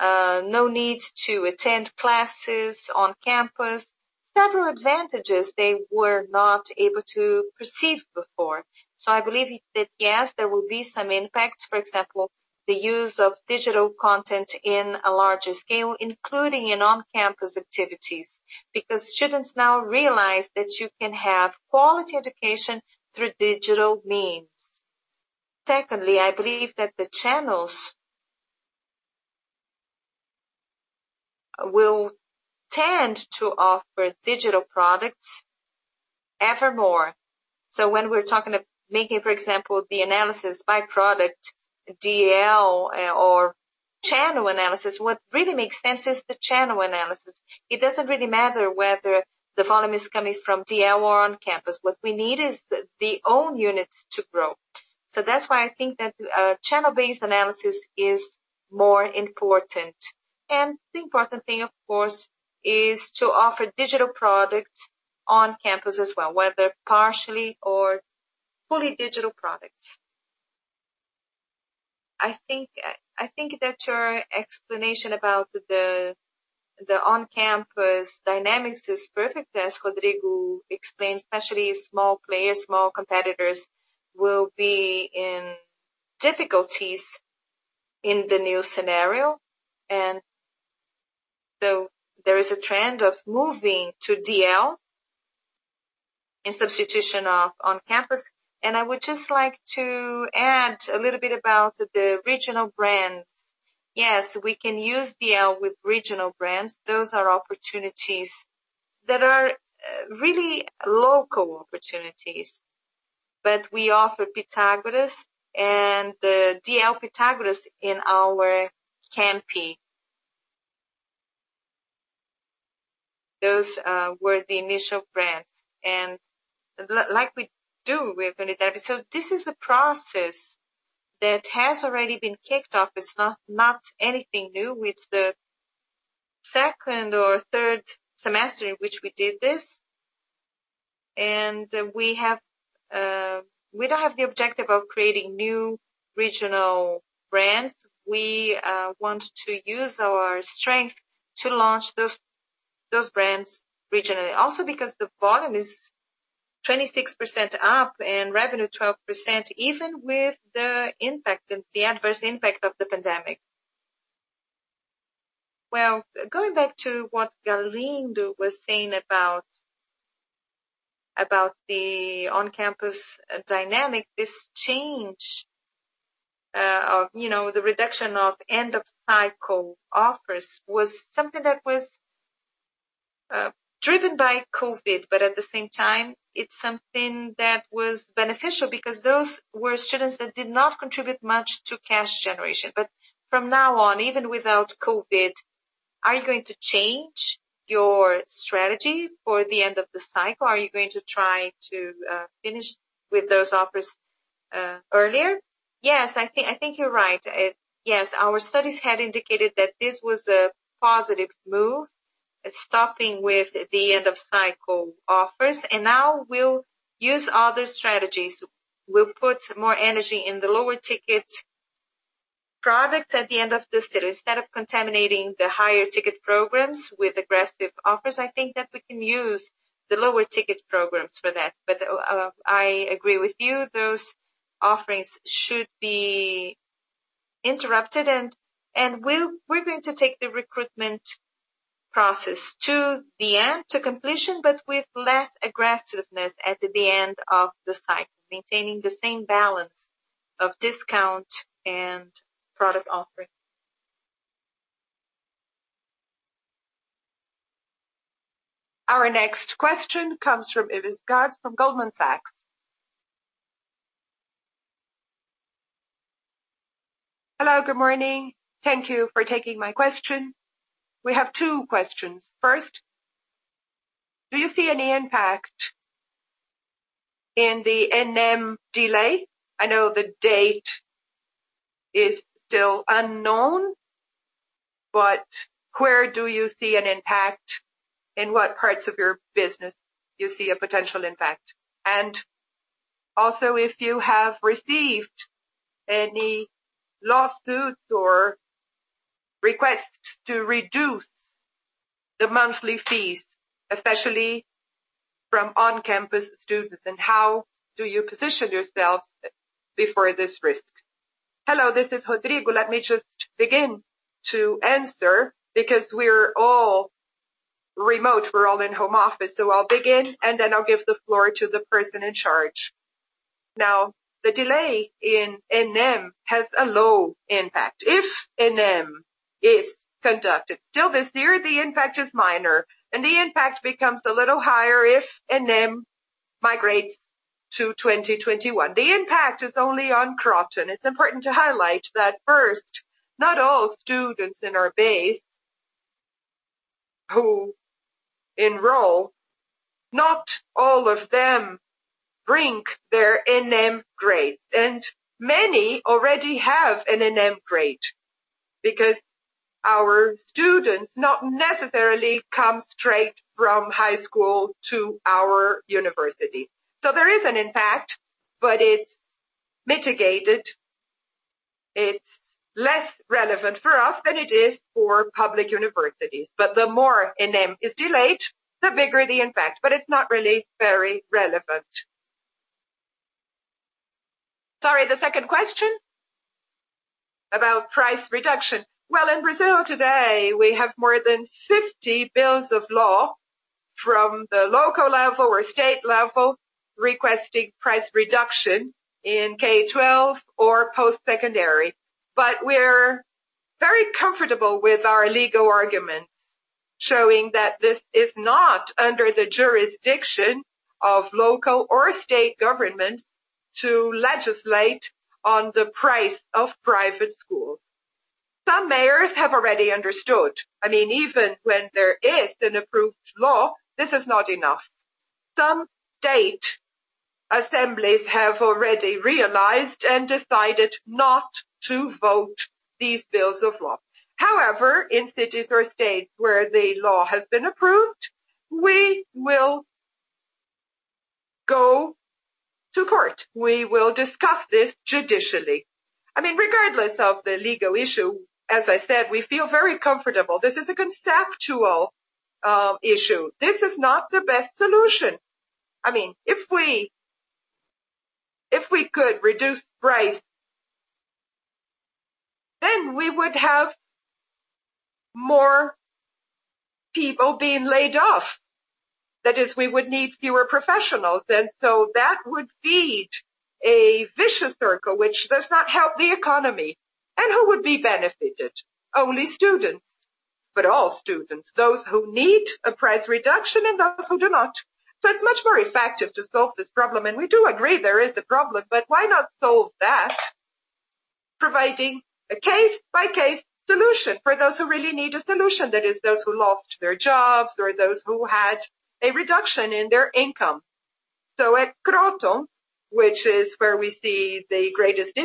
No need to attend classes on campus. Several advantages they were not able to perceive before. I believe that, yes, there will be some impact. For example, the use of digital content in a larger scale, including in on-campus activities, because students now realize that you can have quality education through digital means. Secondly, I believe that the channels will tend to offer digital products evermore. When we're talking of making, for example, the analysis by product DL or channel analysis, what really makes sense is the channel analysis. It doesn't really matter whether the volume is coming from DL or on campus. What we need is the own units to grow. That's why I think that channel-based analysis is more important. The important thing, of course, is to offer digital products on campus as well, whether partially or fully digital products. I think that your explanation about the on-campus dynamics is perfect, as Rodrigo explained, especially small players, small competitors will be in difficulties in the new scenario. There is a trend of moving to DL in substitution of on-campus. I would just like to add a little bit about the regional brands. Yes, we can use DL with regional brands. Those are opportunities that are really local opportunities. We offer Pitágoras and the DL Pitágoras in our campi. Those were the initial brands, and like we do with, so this is a process that has already been kicked off. It's not anything new. It's the second or third semester in which we did this. We don't have the objective of creating new regional brands. We want to use our strength to launch those brands regionally. Also because the volume is 26% up and revenue 12%, even with the adverse impact of the pandemic. Well, going back to what Galindo was saying about the on-campus dynamic, this change of the reduction of end-of-cycle offers was something that was driven by COVID, but at the same time, it's something that was beneficial because those were students that did not contribute much to cash generation. From now on, even without COVID, are you going to change your strategy for the end of the cycle? Are you going to try to finish with those offers earlier? Yes, I think you're right. Yes, our studies had indicated that this was a positive move, stopping with the end-of-cycle offers, and now we'll use other strategies. We'll put more energy in the lower ticket products at the end of the cycle. Instead of contaminating the higher ticket programs with aggressive offers, I think that we can use the lower ticket programs for that. I agree with you, those offerings should be interrupted, and we're going to take the recruitment process to the end, to completion, but with less aggressiveness at the end of the cycle, maintaining the same balance of discount and product offering. Our next question comes from Ivis Garz from Goldman Sachs. Hello, good morning. Thank you for taking my question. We have two questions. First, do you see any impact in the Enem delay? I know the date is still unknown. Where do you see an impact? In what parts of your business do you see a potential impact? Also, if you have received any lawsuits or requests to reduce the monthly fees, especially from on-campus students, and how do you position yourself before this risk? Hello, this is Rodrigo. Let me just begin to answer because we're all remote. We're all in home office. I'll begin, and then I'll give the floor to the person in charge. The delay in Enem has a low impact. If Enem is conducted till this year, the impact is minor, and the impact becomes a little higher if Enem. Migrates to 2021. The impact is only on Kroton. It's important to highlight that first, not all students in our base who enroll, not all of them bring their Enem grade, and many already have an Enem grade, because our students not necessarily come straight from high school to our university. There is an impact, but it's mitigated, it's less relevant for us than it is for public universities. The more Enem is delayed, the bigger the impact, but it's not really very relevant. Sorry, the second question? About price reduction. In Brazil today, we have more than 50 bills of law from the local level or state level requesting price reduction in K-12 or post-secondary. We're very comfortable with our legal arguments, showing that this is not under the jurisdiction of local or state government to legislate on the price of private schools. Some mayors have already understood. Even when there is an approved law, this is not enough. Some state assemblies have already realized and decided not to vote these bills of law. In cities or states where the law has been approved, we will go to court. We will discuss this judicially. Regardless of the legal issue, as I said, we feel very comfortable. This is a conceptual issue. This is not the best solution. If we could reduce price, then we would have more people being laid off. That is, we would need fewer professionals, and so that would feed a vicious circle, which does not help the economy. Who would be benefited? Only students. All students, those who need a price reduction and those who do not. It's much more effective to solve this problem. We do agree there is a problem, but why not solve that providing a case-by-case solution for those who really need a solution, that is, those who lost their jobs or those who had a reduction in their income. At Kroton, which is where we see the greatest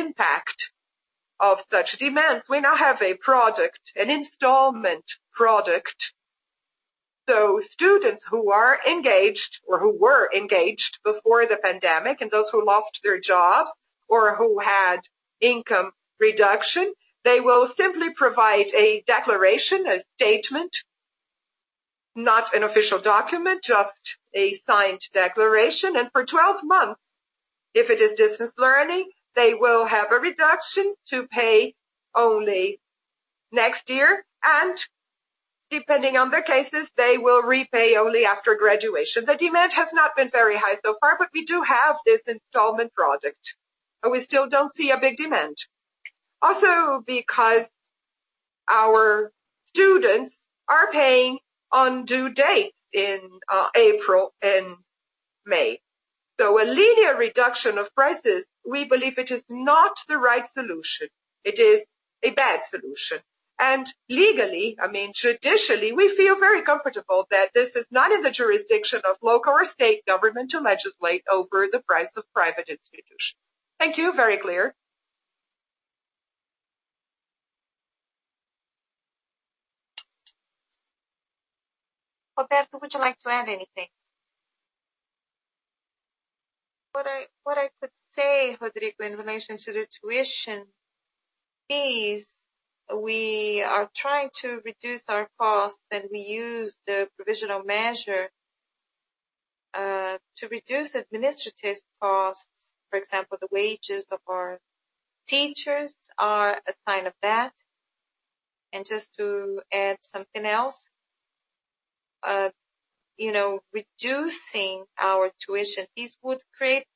impact of such demands, we now have a project, an installment project. Students who are engaged or who were engaged before the pandemic, and those who lost their jobs or who had income reduction, they will simply provide a declaration, a statement, not an official document, just a signed declaration. For 12 months, if it is distance learning, they will have a reduction to pay only next year. Depending on their cases, they will repay only after graduation. The demand has not been very high so far, but we do have this installment project, but we still don't see a big demand. Also because our students are paying on due dates in April and May. A linear reduction of prices, we believe it is not the right solution. It is a bad solution. Legally, judicially, we feel very comfortable that this is not in the jurisdiction of local or state government to legislate over the price of private institutions. Thank you. Very clear. Roberto, would you like to add anything? What I could say, Rodrigo, in relation to the tuition is we are trying to reduce our costs. We use the provisional measure to reduce administrative costs. For example, the wages of our teachers are a sign of that. Just to add something else, reducing our tuition fees would create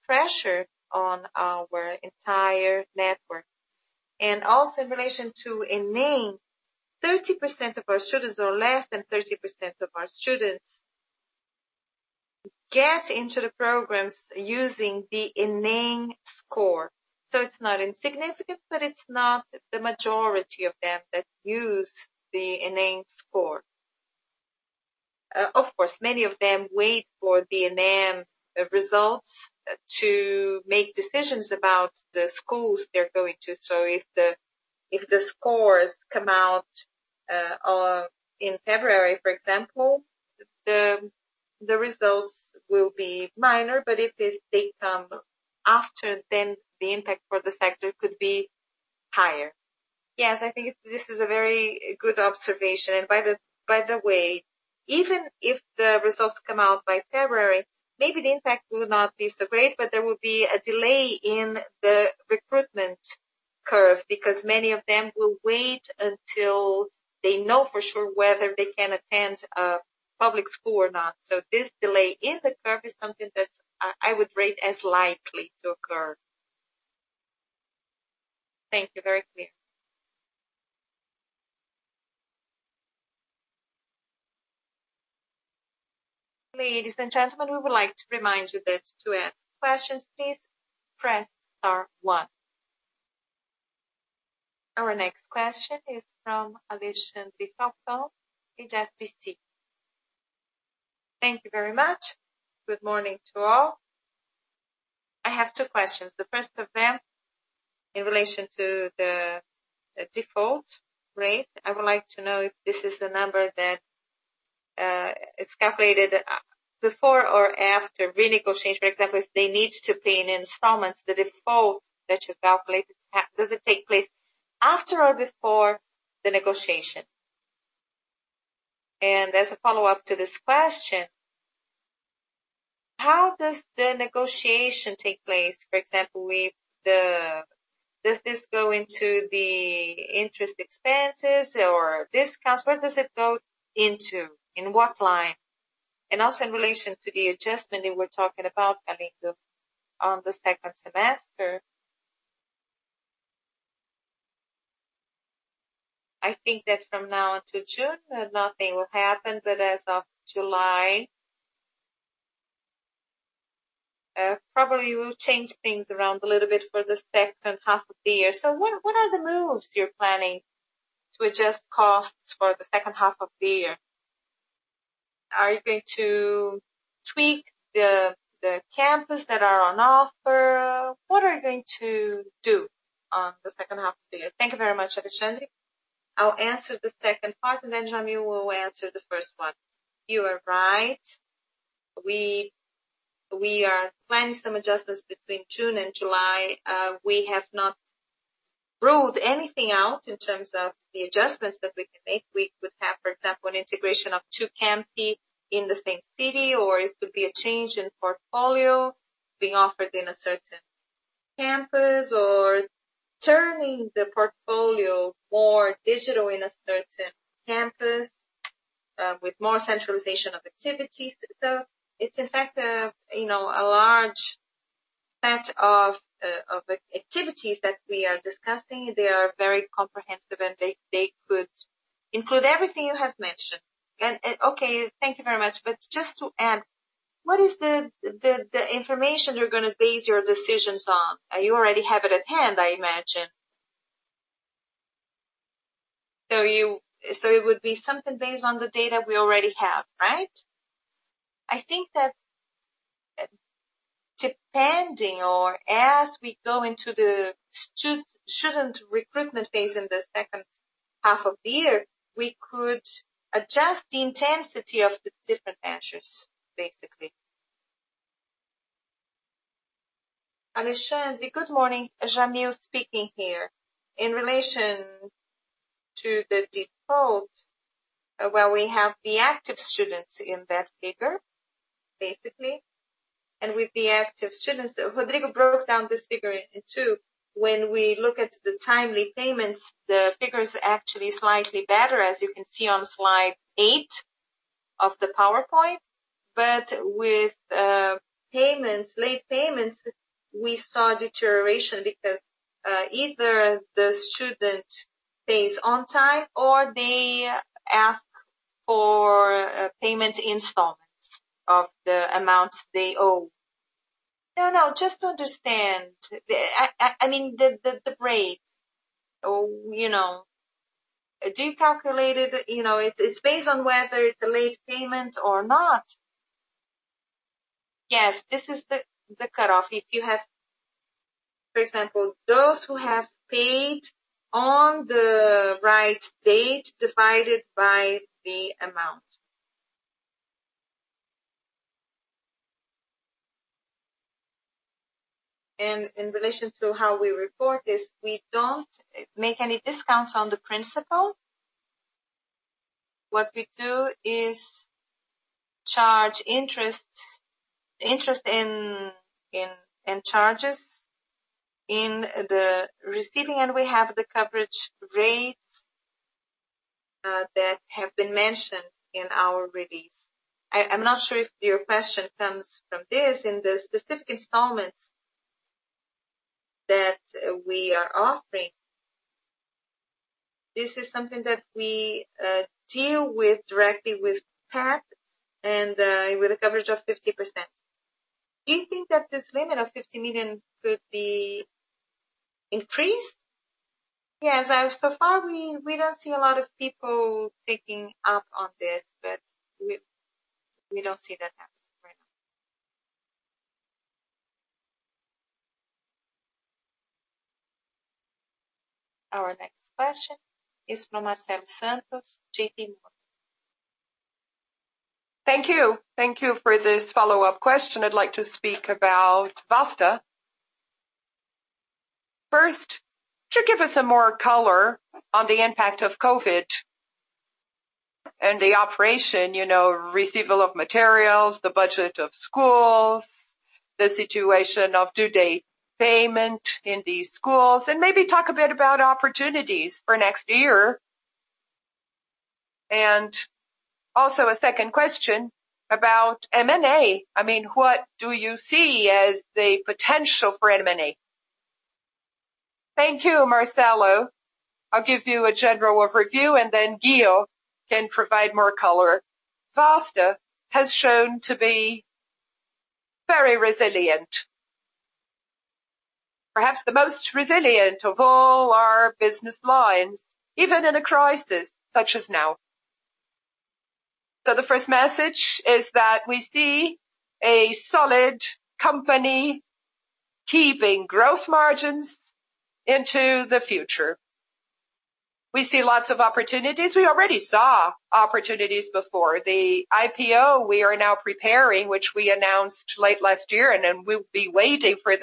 pressure on our entire network. Also in relation to Enem, 30% of our students or less than 30% of our students get into the programs using the Enem score. It's not insignificant, but it's not the majority of them that use the Enem score. Of course, many of them wait for the Enem results to make decisions about the schools they're going to. If the scores come out in February, for example, the results will be minor. If they come after, the impact for the sector could be higher. Yes, I think this is a very good observation. By the way, even if the results come out by February, maybe the impact will not be so great, but there will be a delay in the recruitment curve because many of them will wait until they know for sure whether they can attend a public school or not. This delay in the curve is something that I would rate as likely to occur. Thank you. Very clear. Ladies and gentlemen, we would like to remind you that to ask questions, please press star one. Our next question is from Alessandro Bischoff of HSBC. Thank you very much. Good morning to all. I have two questions. The first of them, in relation to the default rate, I would like to know if this is the number that is calculated before or after renegotiation. For example, if they need to pay in installments, the default that you calculated, does it take place after or before the negotiation? As a follow-up to this question, how does the negotiation take place? For example, does this go into the interest expenses or discounts? Where does it go into, in what line? Also in relation to the adjustment that we're talking about coming on the second semester. I think that from now to June, nothing will happen. As of July, probably will change things around a little bit for the second half of the year. What are the moves you're planning to adjust costs for the second half of the year? Are you going to tweak the campuses that are on offer? What are you going to do on the second half of the year? Thank you very much, Alessandro. I'll answer the second part, and then Jamil will answer the first one. You are right. We are planning some adjustments between June and July. We have not ruled anything out in terms of the adjustments that we can make. We could have, for example, an integration of two campi in the same city, or it could be a change in portfolio being offered in a certain campus, or turning the portfolio more digital in a certain campus with more centralization of activities. It's in fact a large set of activities that we are discussing. They are very comprehensive, and they could include everything you have mentioned. Okay. Thank you very much. Just to add, what is the information you're going to base your decisions on? You already have it at hand, I imagine. It would be something based on the data we already have, right? I think that depending or as we go into the student recruitment phase in the second half of the year, we could adjust the intensity of the different measures, basically. Alessandro. Good morning. Jamil speaking here. In relation to the default, well, we have the active students in that figure, basically. With the active students, Rodrigo broke down this figure in two. When we look at the timely payments, the figure is actually slightly better, as you can see on slide eight of the PowerPoint. With late payments, we saw deterioration because either the student pays on time or they ask for payment installments of the amounts they owe. No, just to understand. The break. Do you calculate it? It's based on whether it's a late payment or not? Yes, this is the cutoff. If you have, for example, those who have paid on the right date divided by the amount. In relation to how we report this, we don't make any discounts on the principal. What we do is charge interest and charges in the receiving end, we have the coverage rates that have been mentioned in our release. I'm not sure if your question comes from this. In the specific installments that we are offering, this is something that we deal with directly with PEP and with a coverage of 50%. Do you think that this limit of 50 million could be increased? Yes. So far, we don't see a lot of people taking up on this, but we don't see that happening right now. Our next question is from Marcelo Santos, J.P. Morgan. Thank you. Thank you for this follow-up question. I'd like to speak about Vasta. First, could you give us some more color on the impact of COVID and the operation, receival of materials, the budget of schools, the situation of due date payment in these schools, and maybe talk a bit about opportunities for next year. Also a second question about M&A. Thank you, Marcelo. I'll give you a general overview, and then Ghio can provide more color. Vasta has shown to be very resilient. Perhaps the most resilient of all our business lines, even in a crisis such as now. The first message is that we see a solid company keeping growth margins into the future. We see lots of opportunities. We already saw opportunities before the IPO we are now preparing, which we announced late last year, then we'll be waiting for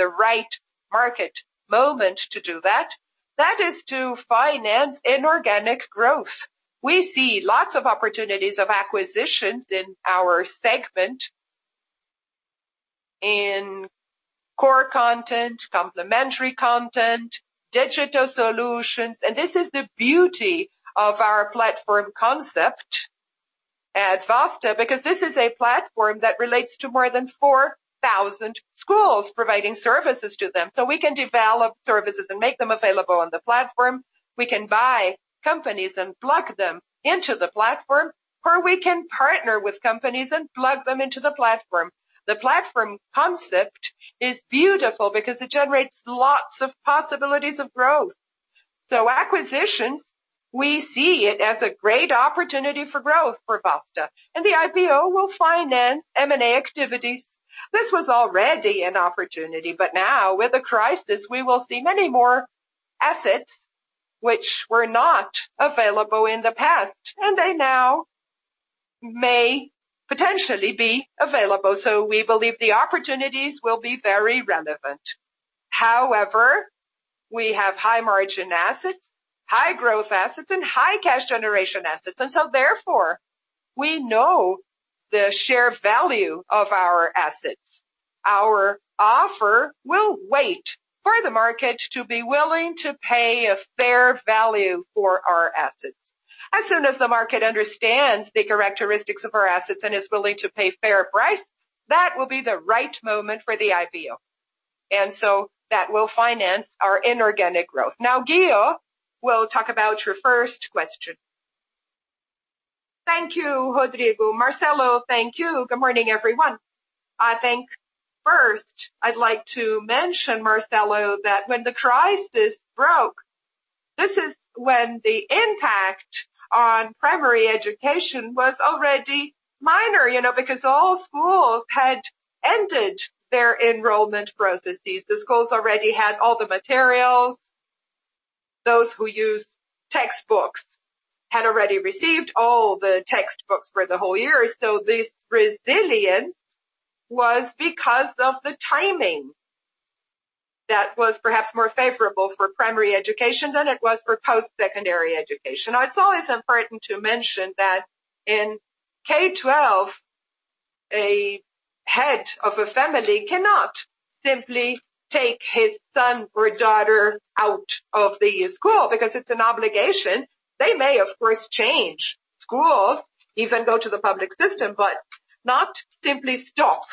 the right market moment to do that. That is to finance inorganic growth. We see lots of opportunities of acquisitions in our segment, in core content, complementary content, digital solutions. This is the beauty of our platform concept at Vasta, because this is a platform that relates to more than 4,000 schools providing services to them. We can develop services and make them available on the platform, we can buy companies and plug them into the platform, or we can partner with companies and plug them into the platform. The platform concept is beautiful because it generates lots of possibilities of growth. Acquisitions, we see it as a great opportunity for growth for Vasta. The IPO will finance M&A activities. This was already an opportunity, but now with a crisis, we will see many more assets which were not available in the past, and they now may potentially be available. We believe the opportunities will be very relevant. However, we have high-margin assets, high-growth assets, and high-cash generation assets. Therefore, we know the share value of our assets. Our offer will wait for the market to be willing to pay a fair value for our assets. As soon as the market understands the characteristics of our assets and is willing to pay a fair price, that will be the right moment for the IPO. That will finance our inorganic growth. Now Ghio will talk about your first question. Thank you, Rodrigo. Marcelo, thank you. Good morning, everyone. I think first I'd like to mention, Marcelo, that when the crisis broke, this is when the impact on primary education was already minor because all schools had ended their enrollment processes. The schools already had all the materials. Those who use textbooks had already received all the textbooks for the whole year. This resilience was because of the timing that was perhaps more favorable for primary education than it was for post-secondary education. Now, it's always important to mention that in K-12, a head of a family cannot simply take his son or daughter out of the school because it's an obligation. They may, of course, change schools, even go to the public system, but not simply stop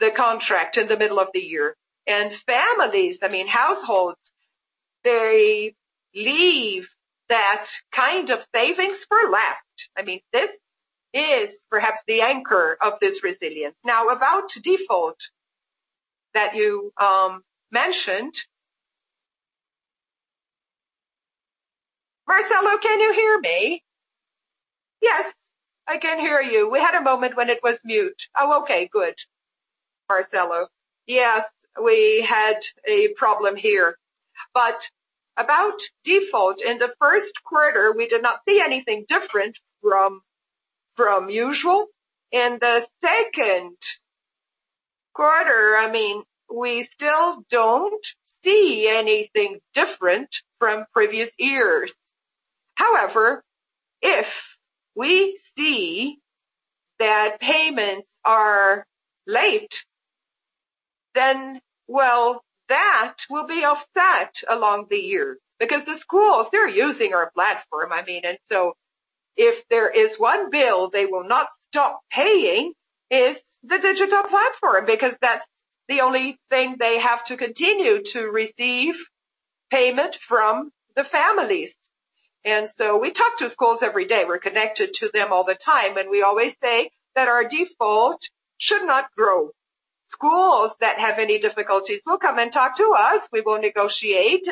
the contract in the middle of the year. Families, households, they leave that kind of savings for last. This is perhaps the anchor of this resilience. Now, about default that you mentioned, Marcelo, can you hear me? Yes, I can hear you. We had a moment when it was mute. Oh, okay. Good, Marcelo. Yes, we had a problem here. About default, in the first quarter, we did not see anything different from usual. In the second quarter, we still don't see anything different from previous years. However, if we see that payments are late, then, well, that will be offset along the year because the schools, they're using our platform. If there is one bill they will not stop paying, it's the digital platform because that's the only thing they have to continue to receive payment from the families. We talk to schools every day. We're connected to them all the time, and we always say that our default should not grow. Schools that have any difficulties will come and talk to us. We will negotiate.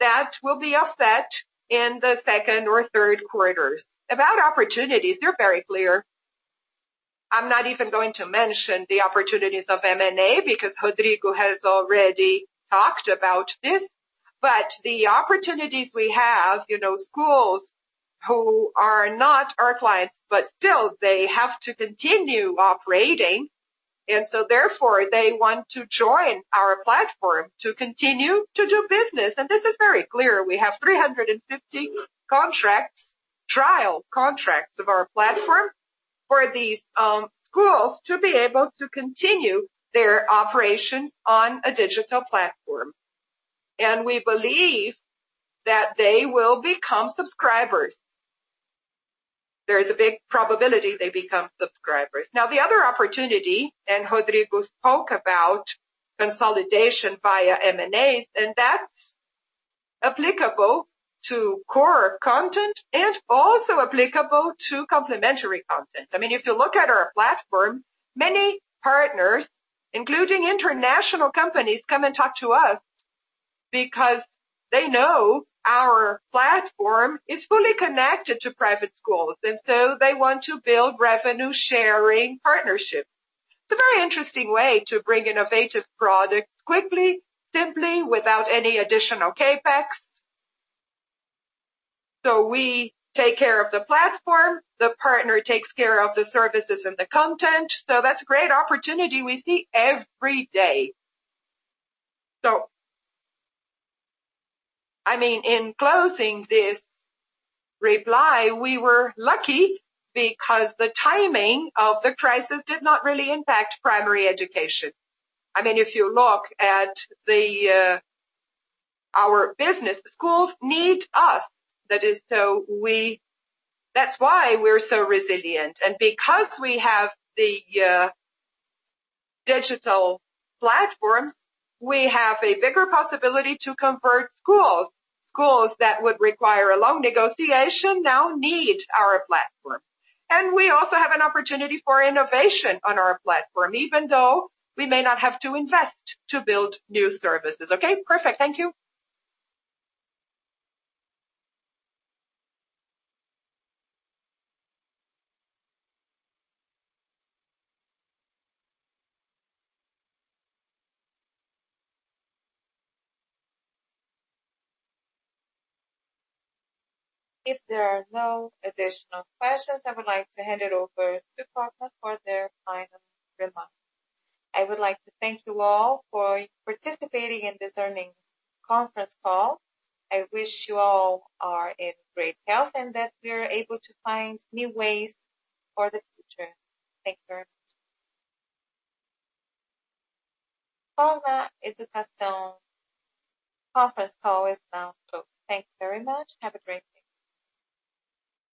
That will be offset in the second or third quarters. About opportunities, they're very clear. I'm not even going to mention the opportunities of M&A because Rodrigo has already talked about this. The opportunities we have, schools who are not our clients, but still they have to continue operating, and so therefore, they want to join our platform to continue to do business. This is very clear. We have 350 contracts, trial contracts of our platform for these schools to be able to continue their operations on a digital platform. We believe that they will become subscribers. There is a big probability they become subscribers. The other opportunity, and Rodrigo spoke about consolidation via M&As, and that's applicable to core content and also applicable to complementary content. If you look at our platform, many partners, including international companies, come and talk to us because they know our platform is fully connected to private schools, they want to build revenue-sharing partnerships. It's a very interesting way to bring innovative products quickly, simply, without any additional CapEx. We take care of the platform, the partner takes care of the services and the content. That's a great opportunity we see every day. In closing this reply, we were lucky because the timing of the crisis did not really impact primary education. If you look at our business, the schools need us. That's why we're so resilient. Because we have the digital platform, we have a bigger possibility to convert schools. Schools that would require a long negotiation now need our platform. We also have an opportunity for innovation on our platform, even though we may not have to invest to build new services. Okay? Perfect. Thank you. If there are no additional questions, I would like to hand it over to Cogna for their final remarks. I would like to thank you all for participating in this earnings conference call. I wish you all are in great health and that we are able to find new ways for the future. Thank you very much. Cogna Educação conference call is now closed. Thank you very much. Have a great day.